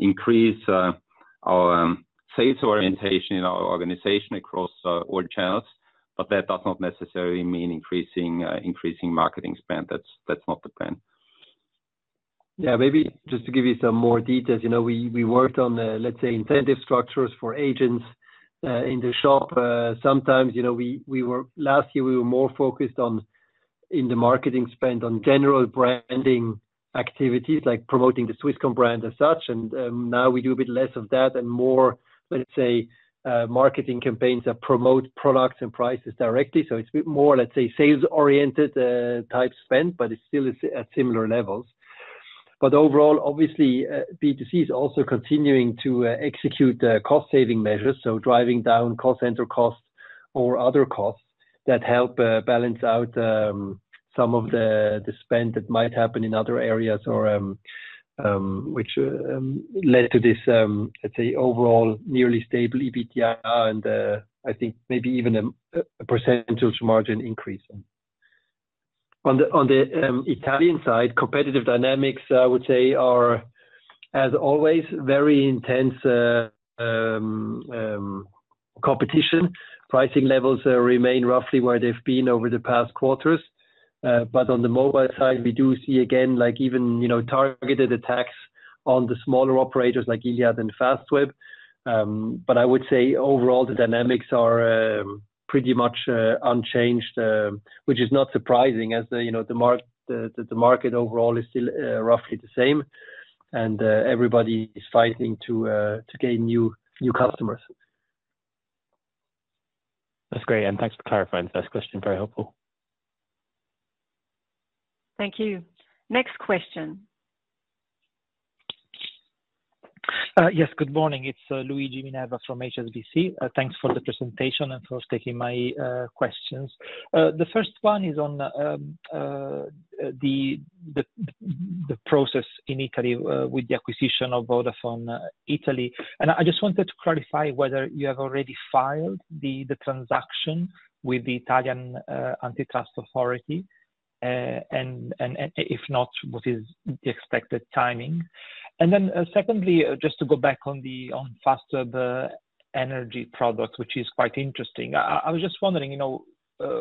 increase our sales orientation in our organization across all channels, but that does not necessarily mean increasing marketing spend. That's not the plan. Yeah, maybe just to give you some more details. You know, we worked on the, let's say, incentive structures for agents in the shop. Sometimes, you know, last year, we were more focused on, in the marketing spend, on general branding activities, like promoting the Swisscom brand as such, and now we do a bit less of that and more, let's say, marketing campaigns that promote products and prices directly. So it's a bit more, let's say, sales-oriented type spend, but it's still at similar levels. But overall, obviously, B2C is also continuing to execute the cost-saving measures, so driving down call center costs or other costs that help balance out some of the spend that might happen in other areas or which led to this let's say overall nearly stable EBITDA, and I think maybe even a percentage margin increase. On the Italian side, competitive dynamics I would say are as always very intense competition. Pricing levels remain roughly where they've been over the past quarters. But on the mobile side, we do see again like even you know targeted attacks on the smaller operators like Iliad and Fastweb. But I would say overall the dynamics are pretty much unchanged which is not surprising as the you know the market overall is still roughly the same, and everybody is fighting to gain new customers. That's great, and thanks for clarifying the first question. Very helpful. Thank you. Next question. Yes, good morning. It's Luigi Minerva from HSBC. Thanks for the presentation and for taking my questions. The first one is on the process in Italy with the acquisition of Vodafone Italy. And I just wanted to clarify whether you have already filed the transaction with the Italian Antitrust Authority, and if not, what is the expected timing? And then, secondly, just to go back on the Fastweb energy product, which is quite interesting. I was just wondering, you know,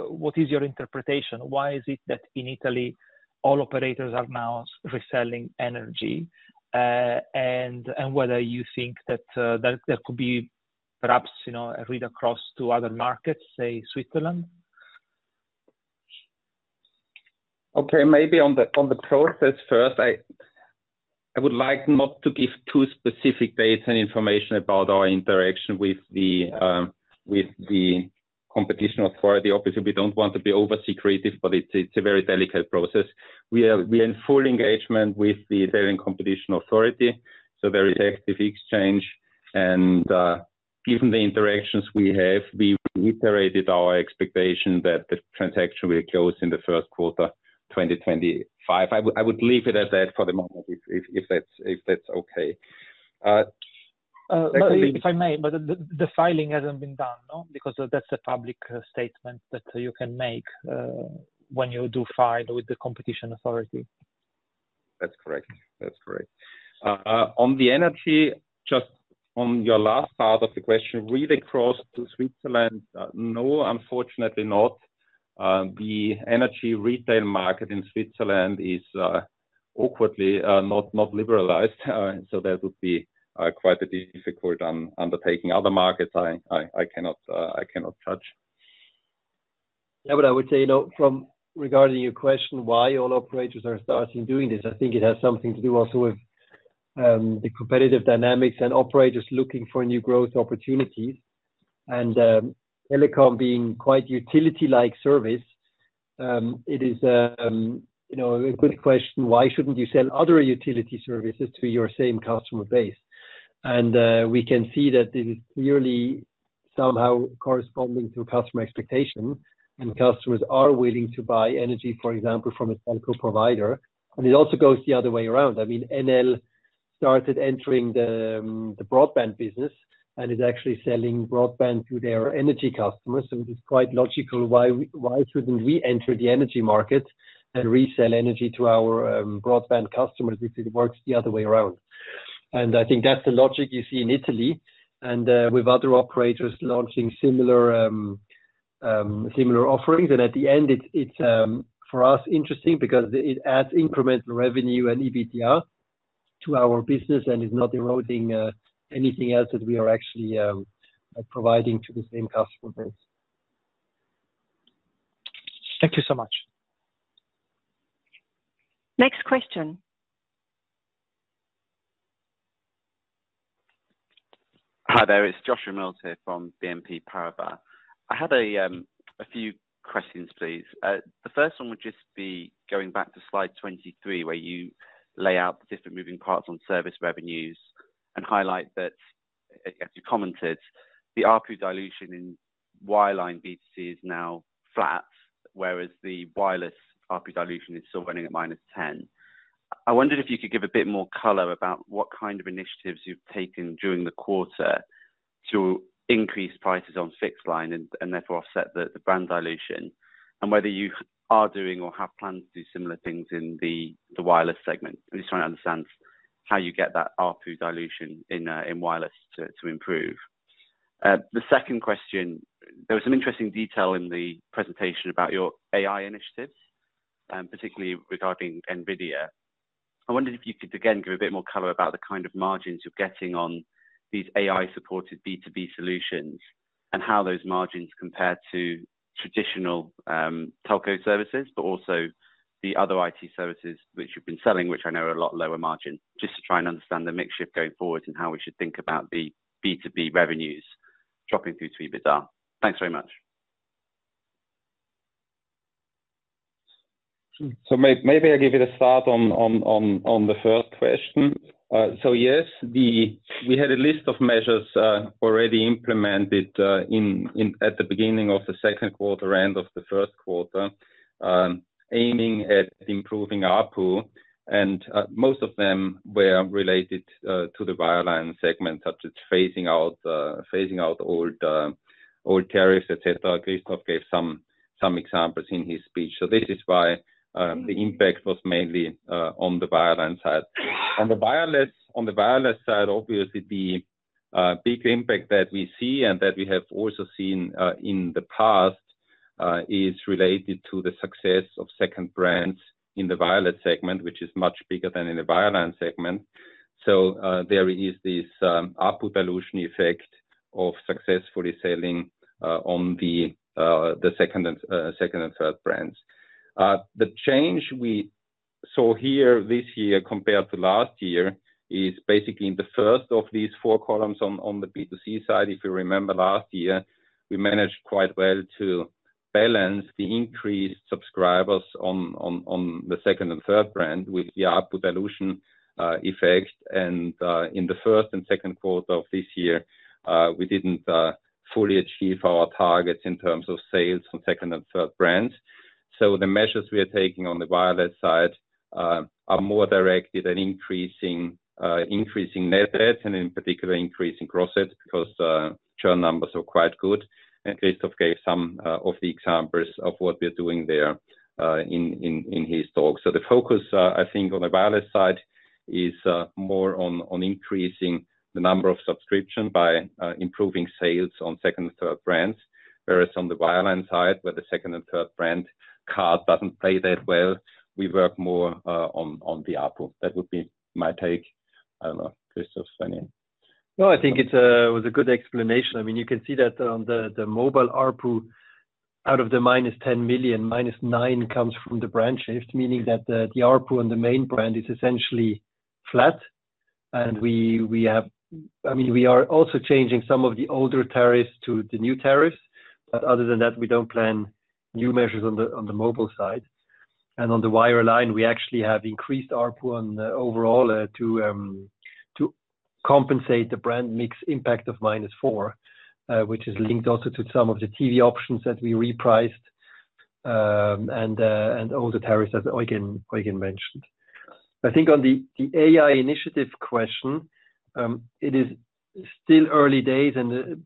what is your interpretation? Why is it that in Italy, all operators are now reselling energy, and whether you think that there could be perhaps, you know, a read-across to other markets, say, Switzerland? Okay, maybe on the process first, I would like not to give too specific dates and information about our interaction with the competition authority. Obviously, we don't want to be over secretive, but it's a very delicate process. We are in full engagement with the Italian Competition Authority, so very active exchange, and given the interactions we have, we reiterated our expectation that the transaction will close in the first quarter, 2025. I would leave it at that for the moment, if that's okay. Secondly- If I may, but the filing hasn't been done, no? Because that's a public statement that you can make, when you do file with the Competition Authority. That's correct. That's correct. On the energy, just on your last part of the question, read across to Switzerland, no, unfortunately not. The energy retail market in Switzerland is awkwardly not liberalized, so that would be quite a difficult undertaking. Other markets, I cannot judge. Yeah, but I would say, you know, from regarding your question, why all operators are starting doing this, I think it has something to do also with the competitive dynamics and operators looking for new growth opportunities. And telecom being quite utility-like service, it is, you know, a good question, why shouldn't you sell other utility services to your same customer base? And we can see that this is clearly somehow corresponding to customer expectation, and customers are willing to buy energy, for example, from a telco provider. And it also goes the other way around. I mean, Enel started entering the broadband business and is actually selling broadband to their energy customers. So it is quite logical why we shouldn't we enter the energy market and resell energy to our broadband customers if it works the other way around? I think that's the logic you see in Italy and with other operators launching similar offerings. At the end, it's for us interesting because it adds incremental revenue and EBITDA to our business and is not eroding anything else that we are actually providing to the same customer base. Thank you so much. Next question. Hi there, it's Joshua Mills here from BNP Paribas. I had a, a few questions, please. The first one would just be going back to slide 23, where you lay out the different moving parts on service revenues and highlight that, as you commented, the ARPU dilution in wireline B2C is now flat, whereas the wireless ARPU dilution is still running at -10%. I wondered if you could give a bit more color about what kind of initiatives you've taken during the quarter to increase prices on fixed line and therefore offset the, the brand dilution, and whether you are doing or have plans to do similar things in the wireless segment. I'm just trying to understand how you get that ARPU dilution in wireless to improve. The second question, there was some interesting detail in the presentation about your AI initiatives, particularly regarding NVIDIA. I wondered if you could again, give a bit more color about the kind of margins you're getting on these AI-supported B2B solutions and how those margins compare to traditional, telco services, but also the other IT services which you've been selling, which I know are a lot lower margin, just to try and understand the mix shift going forward and how we should think about the B2B revenues dropping through to EBITDA. Thanks very much. So maybe I'll give you the start on the first question. So yes, we had a list of measures already implemented at the beginning of the second quarter, end of the first quarter, aiming at improving ARPU, and most of them were related to the wireline segment, such as phasing out old tariffs, et cetera. Christoph gave some examples in his speech. So this is why the impact was mainly on the wireline side. On the wireless side, obviously, the big impact that we see and that we have also seen in the past is related to the success of second brands in the wireless segment, which is much bigger than in the wireline segment. So, there is this ARPU dilution effect of successfully selling on the second and third brands. The change we saw here this year compared to last year is basically in the first of these four columns on the B2C side. If you remember last year, we managed quite well to balance the increased subscribers on the second and third brand with the ARPU dilution effects. In the first and second quarter of this year, we didn't fully achieve our targets in terms of sales from second and third brands. So the measures we are taking on the wireless side are more directed at increasing net adds, and in particular, increasing gross adds, because churn numbers are quite good. Christoph gave some of the examples of what we're doing there in his talk. So the focus, I think on the wireless side is more on increasing the number of subscription by improving sales on second and third brands, whereas on the wireline side, where the second and third brand card doesn't play that well, we work more on the ARPU. That would be my take. I don't know, Christoph? No, I think it was a good explanation. I mean, you can see that on the mobile ARPU, out of the -10 million, -9 million comes from the brand shift, meaning that the ARPU on the main brand is essentially flat. And I mean, we are also changing some of the older tariffs to the new tariffs, but other than that, we don't plan new measures on the mobile side. And on the wireline, we actually have increased ARPU on the overall, to compensate the brand mix impact of -4 million, which is linked also to some of the TV options that we repriced, and all the tariffs that Eugen mentioned. I think on the AI initiative question, it is still early days, and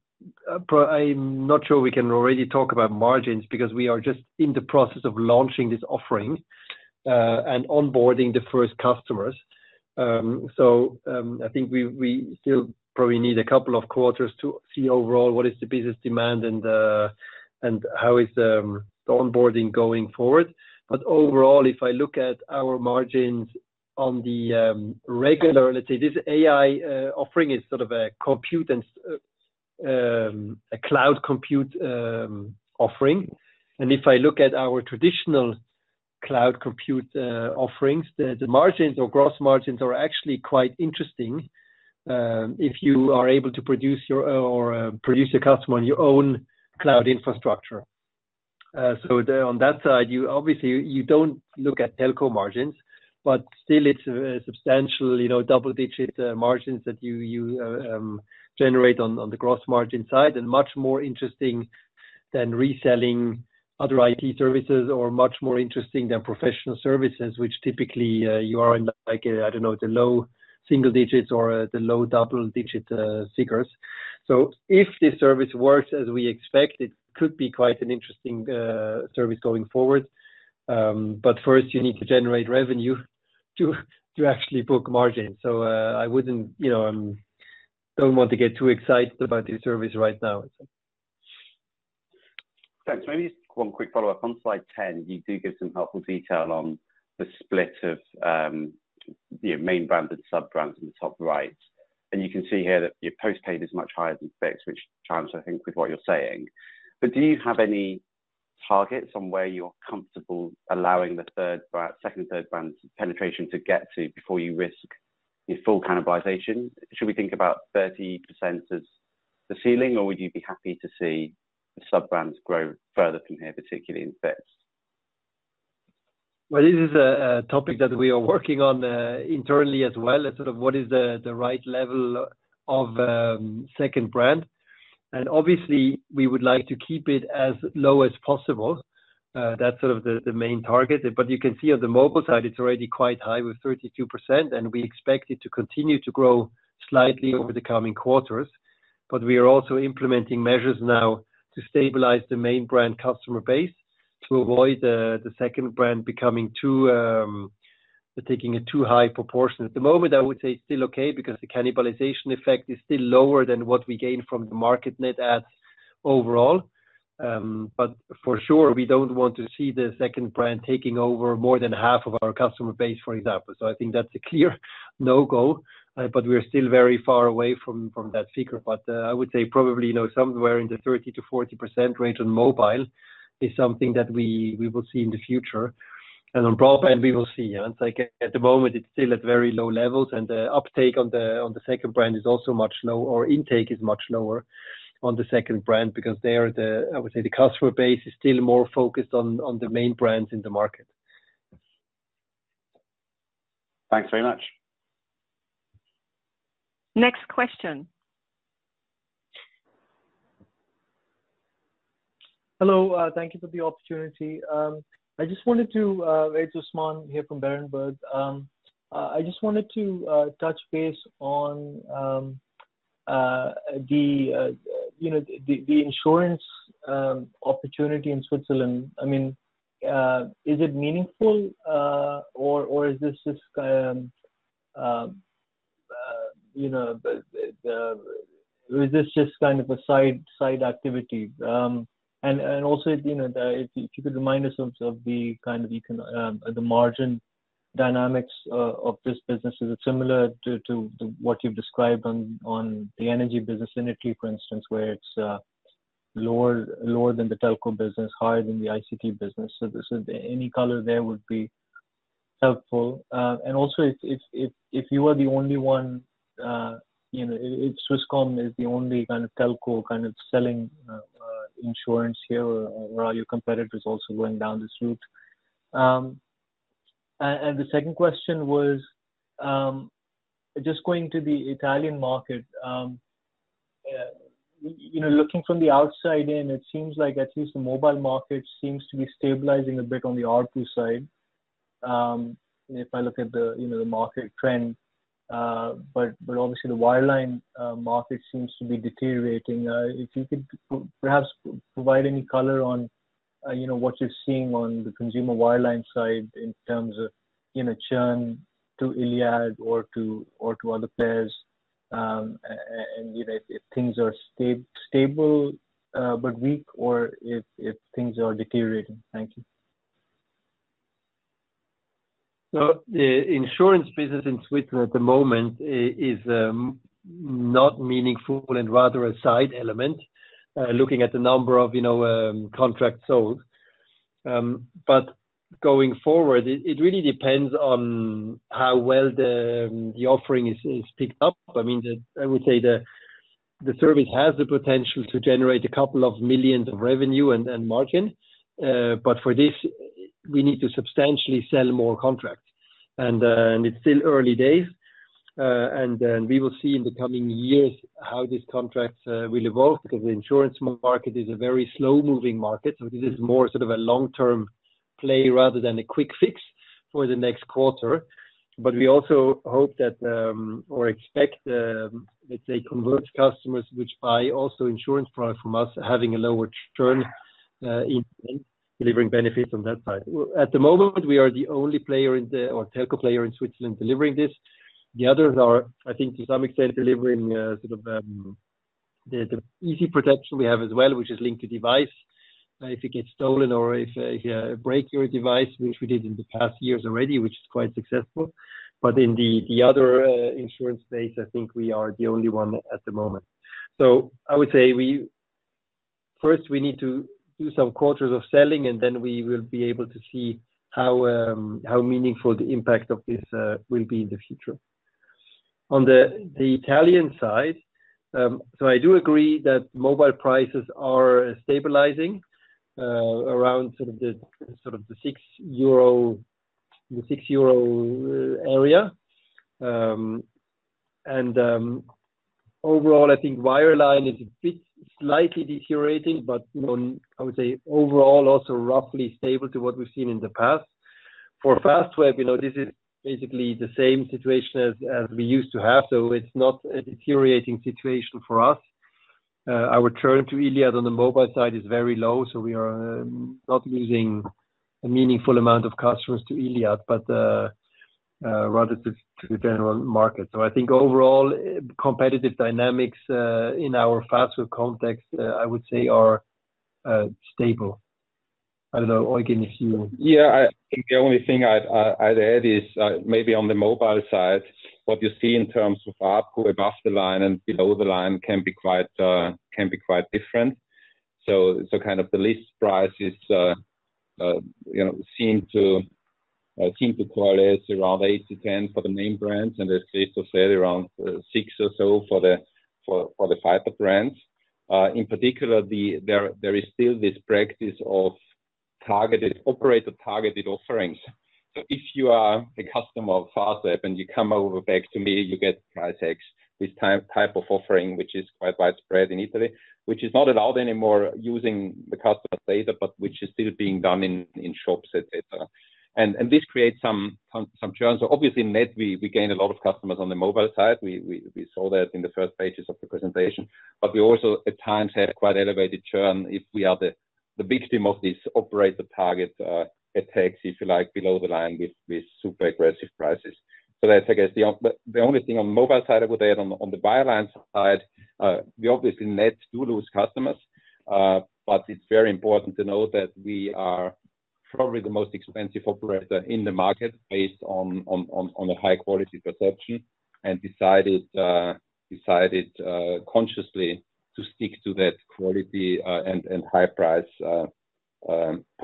I'm not sure we can already talk about margins, because we are just in the process of launching this offering, and onboarding the first customers. So, I think we still probably need a couple of quarters to see overall what is the business demand and how is the onboarding going forward. But overall, if I look at our margins on the regular, let's say, this AI offering is sort of a compute and a cloud compute offering. And if I look at our traditional cloud compute offerings, the margins or gross margins are actually quite interesting, if you are able to produce your own or produce a customer on your own cloud infrastructure. So on that side, you obviously, you don't look at telco margins, but still it's substantial, you know, double-digit margins that you generate on the gross margin side, and much more interesting than reselling other IT services or much more interesting than professional services, which typically you are in, like, I don't know, the low single digits or the low double-digit figures. So if this service works as we expect, it could be quite an interesting service going forward. But first you need to generate revenue to actually book margin. So I wouldn't, you know, don't want to get too excited about this service right now. Thanks. Maybe just one quick follow-up. On slide 10, you do give some helpful detail on the split of your main brand and sub-brands in the top right. You can see here that your postpaid is much higher than fixed, which chimes, I think, with what you're saying. Do you have any targets on where you're comfortable allowing the third brand, second, third brand penetration to get to before you risk your full cannibalization? Should we think about 30% as the ceiling, or would you be happy to see the sub-brands grow further from here, particularly in fixed? Well, this is a topic that we are working on internally as well, as sort of what is the right level of second brand. And obviously, we would like to keep it as low as possible. That's sort of the main target. But you can see on the mobile side, it's already quite high with 32%, and we expect it to continue to grow slightly over the coming quarters. But we are also implementing measures now to stabilize the main brand customer base, to avoid the second brand becoming too taking a too high proportion. At the moment, I would say it's still okay because the cannibalization effect is still lower than what we gain from the market net adds overall. But for sure, we don't want to see the second brand taking over more than half of our customer base, for example. So I think that's a clear no-go, but we're still very far away from that figure. But I would say probably, you know, somewhere in the 30%-40% range on mobile is something that we will see in the future. And on broadband, we will see. And like at the moment, it's still at very low levels, and the uptake on the second brand is also much lower, or intake is much lower on the second brand, because there the, I would say, the customer base is still more focused on the main brands in the market. Thanks very much. Next question. Hello, thank you for the opportunity. I just wanted to, it's Usman here from Berenberg. I just wanted to touch base on, you know, the insurance opportunity in Switzerland. I mean, is it meaningful, or is this just, you know, the, is this just kind of a side activity? And also, you know, if you could remind us of the kind of margin dynamics of this business. Is it similar to what you've described on the energy business in Italy, for instance, where it's lower than the telco business, higher than the ICT business? So this is any color there would be helpful. And also, if you are the only one, you know, if Swisscom is the only kind of telco kind of selling insurance here, or are your competitors also going down this route? And the second question was just going to the Italian market. You know, looking from the outside in, it seems like at least the mobile market seems to be stabilizing a bit on the RP side. If I look at the, you know, the market trend, but obviously the wireline market seems to be deteriorating. If you could perhaps provide any color on, you know, what you're seeing on the consumer wireline side in terms of, you know, churn to Iliad or to other players. You know, if things are stable but weak or if things are deteriorating. Thank you. So the insurance business in Switzerland at the moment is not meaningful and rather a side element, looking at the number of, you know, contracts sold. But going forward, it really depends on how well the offering is picked up. I mean, the... I would say the service has the potential to generate a couple of million CHF of revenue and margin. But for this, we need to substantially sell more contracts. And it's still early days. We will see in the coming years how these contracts will evolve, because the insurance market is a very slow-moving market. So this is more sort of a long-term play rather than a quick fix for the next quarter. But we also hope that, or expect, let's say, converted customers, which buy also insurance products from us, having a lower churn, in delivering benefits on that side. Well, at the moment, we are the only player in the or telco player in Switzerland delivering this. The others are, I think, to some extent, delivering, sort of, the easy protection we have as well, which is linked to device. If it gets stolen or if, you break your device, which we did in the past years already, which is quite successful. But in the, the other, insurance space, I think we are the only one at the moment. So I would say we first need to do some quarters of selling, and then we will be able to see how how meaningful the impact of this will be in the future. On the Italian side, so I do agree that mobile prices are stabilizing around sort of the six euro area. And overall, I think wireline is a bit slightly deteriorating, but you know, I would say overall, also roughly stable to what we've seen in the past. For Fastweb, you know, this is basically the same situation as we used to have, so it's not a deteriorating situation for us. Our churn to Iliad on the mobile side is very low, so we are not losing a meaningful amount of customers to Iliad, but rather to the general market. So I think overall, competitive dynamics in our Fastweb context, I would say are stable. I don't know, Eugen, if you- Yeah, I think the only thing I'd add is maybe on the mobile side, what you see in terms of ARPU above the line and below the line can be quite different. So kind of the list price is, you know, seem to coalesce around 8-10 for the main brands, and the [states] will sell around six or so for the [fighter brand]. In particular, there is still this practice of targeted operator-targeted offerings. So if you are a customer of Fastweb and you come over back to me, you get my text, this type of offering, which is quite widespread in Italy. Which is not allowed anymore using the customer data, but which is still being done in shops, et cetera. This creates some churn. So obviously, net, we gain a lot of customers on the mobile side. We saw that in the first pages of the presentation. But we also at times had a quite elevated churn if we are the victim of this operator target attacks, if you like, below the line with super aggressive prices. So that's, I guess, the one. But the only thing on mobile side I would add, on the wireline side, we obviously net do lose customers, but it's very important to note that we are probably the most expensive operator in the market based on a high-quality perception and decided consciously to stick to that quality and high price strategy.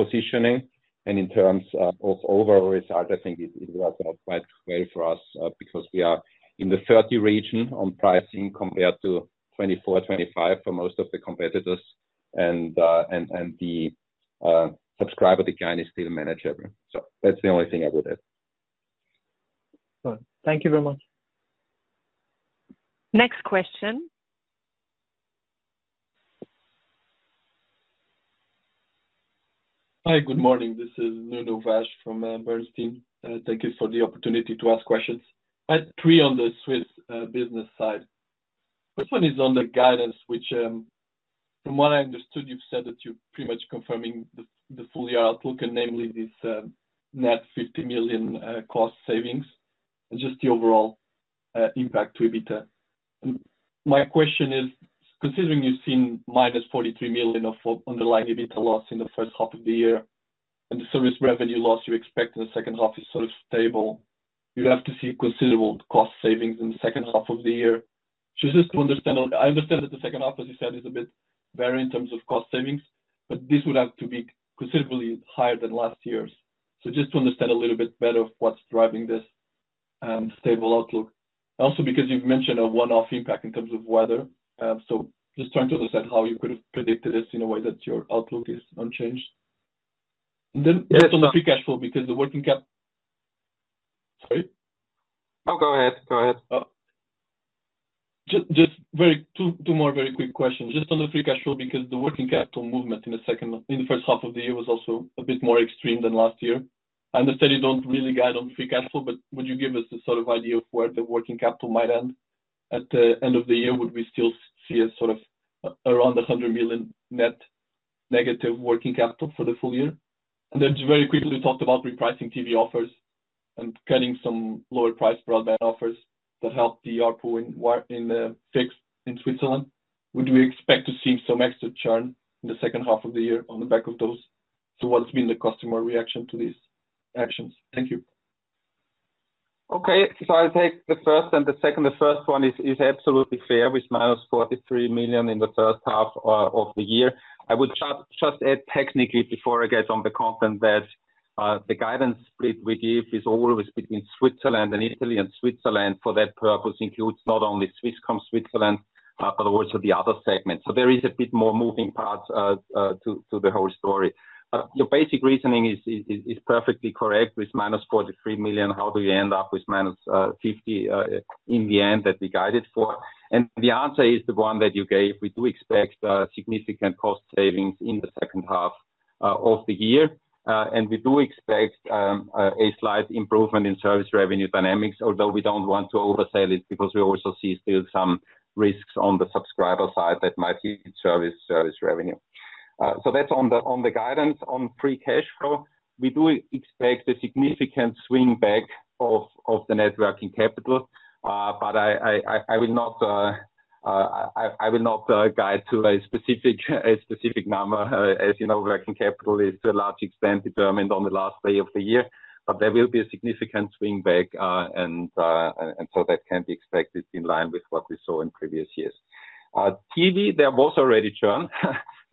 positioning and in terms of overall result, I think it worked out quite well for us, because we are in the 30 region on pricing compared to 2024, 2025 for most of the competitors. And the subscriber churn is still manageable. So that's the only thing I would add. Good. Thank you very much. Next question. Hi, good morning. This is Nuno Vaz from Bernstein. Thank you for the opportunity to ask questions. I had three on the Swiss business side. First one is on the guidance, which from what I understood, you've said that you're pretty much confirming the full year outlook, and namely this net 50 million cost savings, and just the overall impact to EBITDA. My question is, considering you've seen -43 million of underlying EBITDA loss in the first half of the year, and the service revenue loss you expect in the second half is sort of stable, you have to see considerable cost savings in the second half of the year. So just to understand... I understand that the second half, as you said, is a bit varied in terms of cost savings, but this would have to be considerably higher than last year's. So just to understand a little bit better what's driving this, stable outlook. Also, because you've mentioned a one-off impact in terms of weather, so just trying to understand how you could have predicted this in a way that your outlook is unchanged. And then just on the free cash flow, because the working cap-- Sorry? No, go ahead. Go ahead. Just two more very quick questions. Just on the free cash flow, because the working capital movement in the first half of the year was also a bit more extreme than last year. I understand you don't really guide on free cash flow, but would you give us a sort of idea of where the working capital might end at the end of the year? Would we still see a sort of around 100 million net negative working capital for the full year? And then just very quickly, you talked about repricing TV offers and cutting some lower price broadband offers to help the ARPU in wireline in the fixed in Switzerland. Would we expect to see some extra churn in the second half of the year on the back of those? So what's been the customer reaction to these actions? Thank you. Okay. So I'll take the first and the second. The first one is absolutely fair, with -43 million in the first half of the year. I would just add technically, before I get on the content, that the guidance split we give is always between Switzerland and Italy, and Switzerland, for that purpose, includes not only Swisscom Switzerland, but also the other segments. So there is a bit more moving parts to the whole story. But your basic reasoning is perfectly correct. With -43 million, how do you end up with -50 million in the end that we guided for? And the answer is the one that you gave. We do expect significant cost savings in the second half of the year. And we do expect a slight improvement in service revenue dynamics, although we don't want to oversell it, because we also see still some risks on the subscriber side that might hit service revenue. So that's on the guidance. On free cash flow, we do expect a significant swing back of the net working capital. But I will not guide to a specific number. As you know, working capital is to a large extent determined on the last day of the year, but there will be a significant swing back, and so that can be expected in line with what we saw in previous years. TV, there was already churn,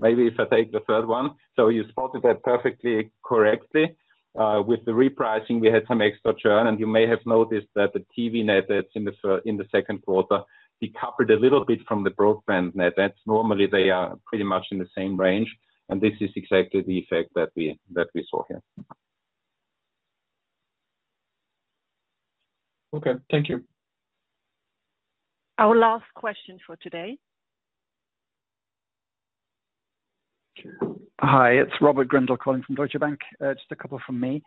maybe if I take the third one. So you spotted that perfectly correctly. With the repricing, we had some extra churn, and you may have noticed that the TV net adds in the second quarter recovered a little bit from the broadband net adds normally they are pretty much in the same range, and this is exactly the effect that we saw here. Okay, thank you. Our last question for today. Hi, it's Robert Grindle calling from Deutsche Bank. Just a couple from me.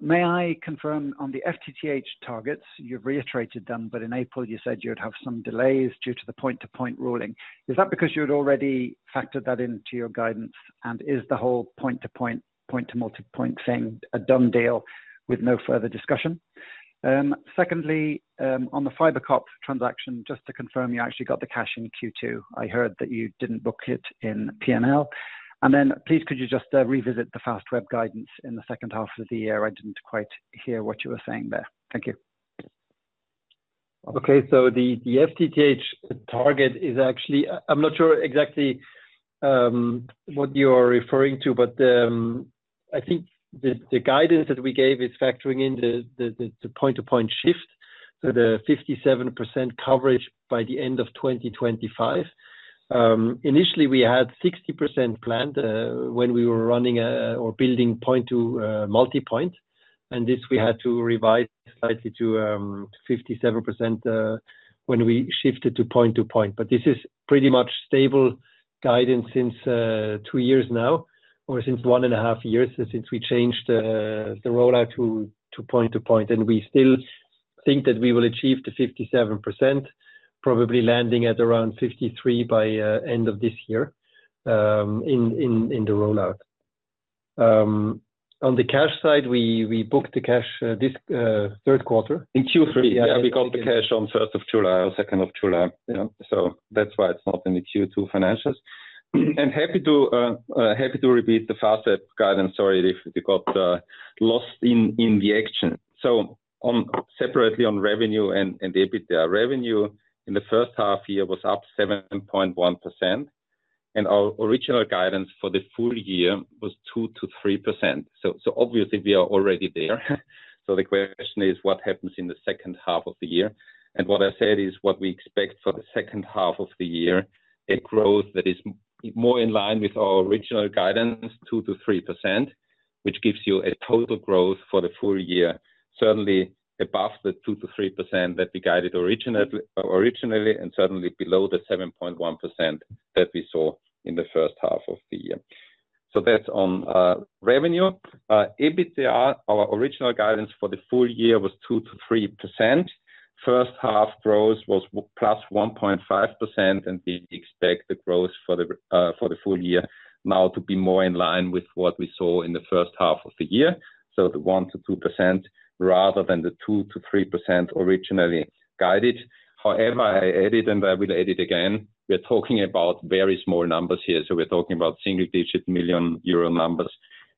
May I confirm on the FTTH targets, you've reiterated them, but in April, you said you'd have some delays due to the point-to-point ruling. Is that because you had already factored that into your guidance? And is the whole point-to-point, point-to-multipoint thing a done deal with no further discussion? Secondly, on the FiberCop transaction, just to confirm, you actually got the cash in Q2. I heard that you didn't book it in P&L. And then please, could you just, revisit the Fastweb guidance in the second half of the year? I didn't quite hear what you were saying there. Thank you. Okay. So the FTTH target is actually... I'm not sure exactly what you are referring to, but I think the guidance that we gave is factoring in the point-to-point shift, so the 57% coverage by the end of 2025. Initially, we had 60% planned when we were running or building point-to-multipoint, and this we had to revise slightly to 57% when we shifted to point-to-point. But this is pretty much stable guidance since 2 years now or since 1.5 years, since we changed the rollout to point-to-point. And we still think that we will achieve the 57%, probably landing at around 53 by end of this year in the rollout. On the cash side, we booked the cash this third quarter. In Q3, yeah, we got the cash on first of July or second of July. Yeah, so that's why it's not in the Q2 financials. Happy to repeat the Fastweb guidance. Sorry if it got lost in the action. Separately, on revenue and EBITDA. Revenue in the first half year was up 7.1%, and our original guidance for the full year was 2%-3%. So, obviously we are already there. So the question is, what happens in the second half of the year? And what I said is, what we expect for the second half of the year, a growth that is more in line with our original guidance, 2%-3%, which gives you a total growth for the full year, certainly above the 2%-3% that we guided originally, and certainly below the 7.1% that we saw in the first half of the year. So that's on revenue. EBITDA, our original guidance for the full year was 2%-3%. First half growth was +1.5%, and we expect the growth for the full year now to be more in line with what we saw in the first half of the year. So the 1%-2%, rather than the 2%-3% originally guided. However, I added, and I will add it again, we're talking about very small numbers here, so we're talking about single-digit million euro numbers.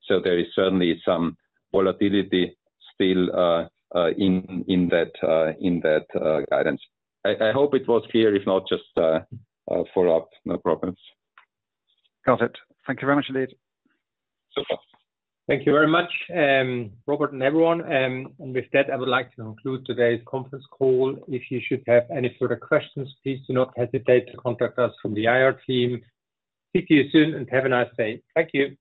So there is certainly some volatility still in that guidance. I hope it was clear. If not, just follow up. No problems. Got it. Thank you very much, indeed. Super. Thank you very much, Robert and everyone. And with that, I would like to conclude today's conference call. If you should have any further questions, please do not hesitate to contact us from the IR team. Speak to you soon and have a nice day. Thank you.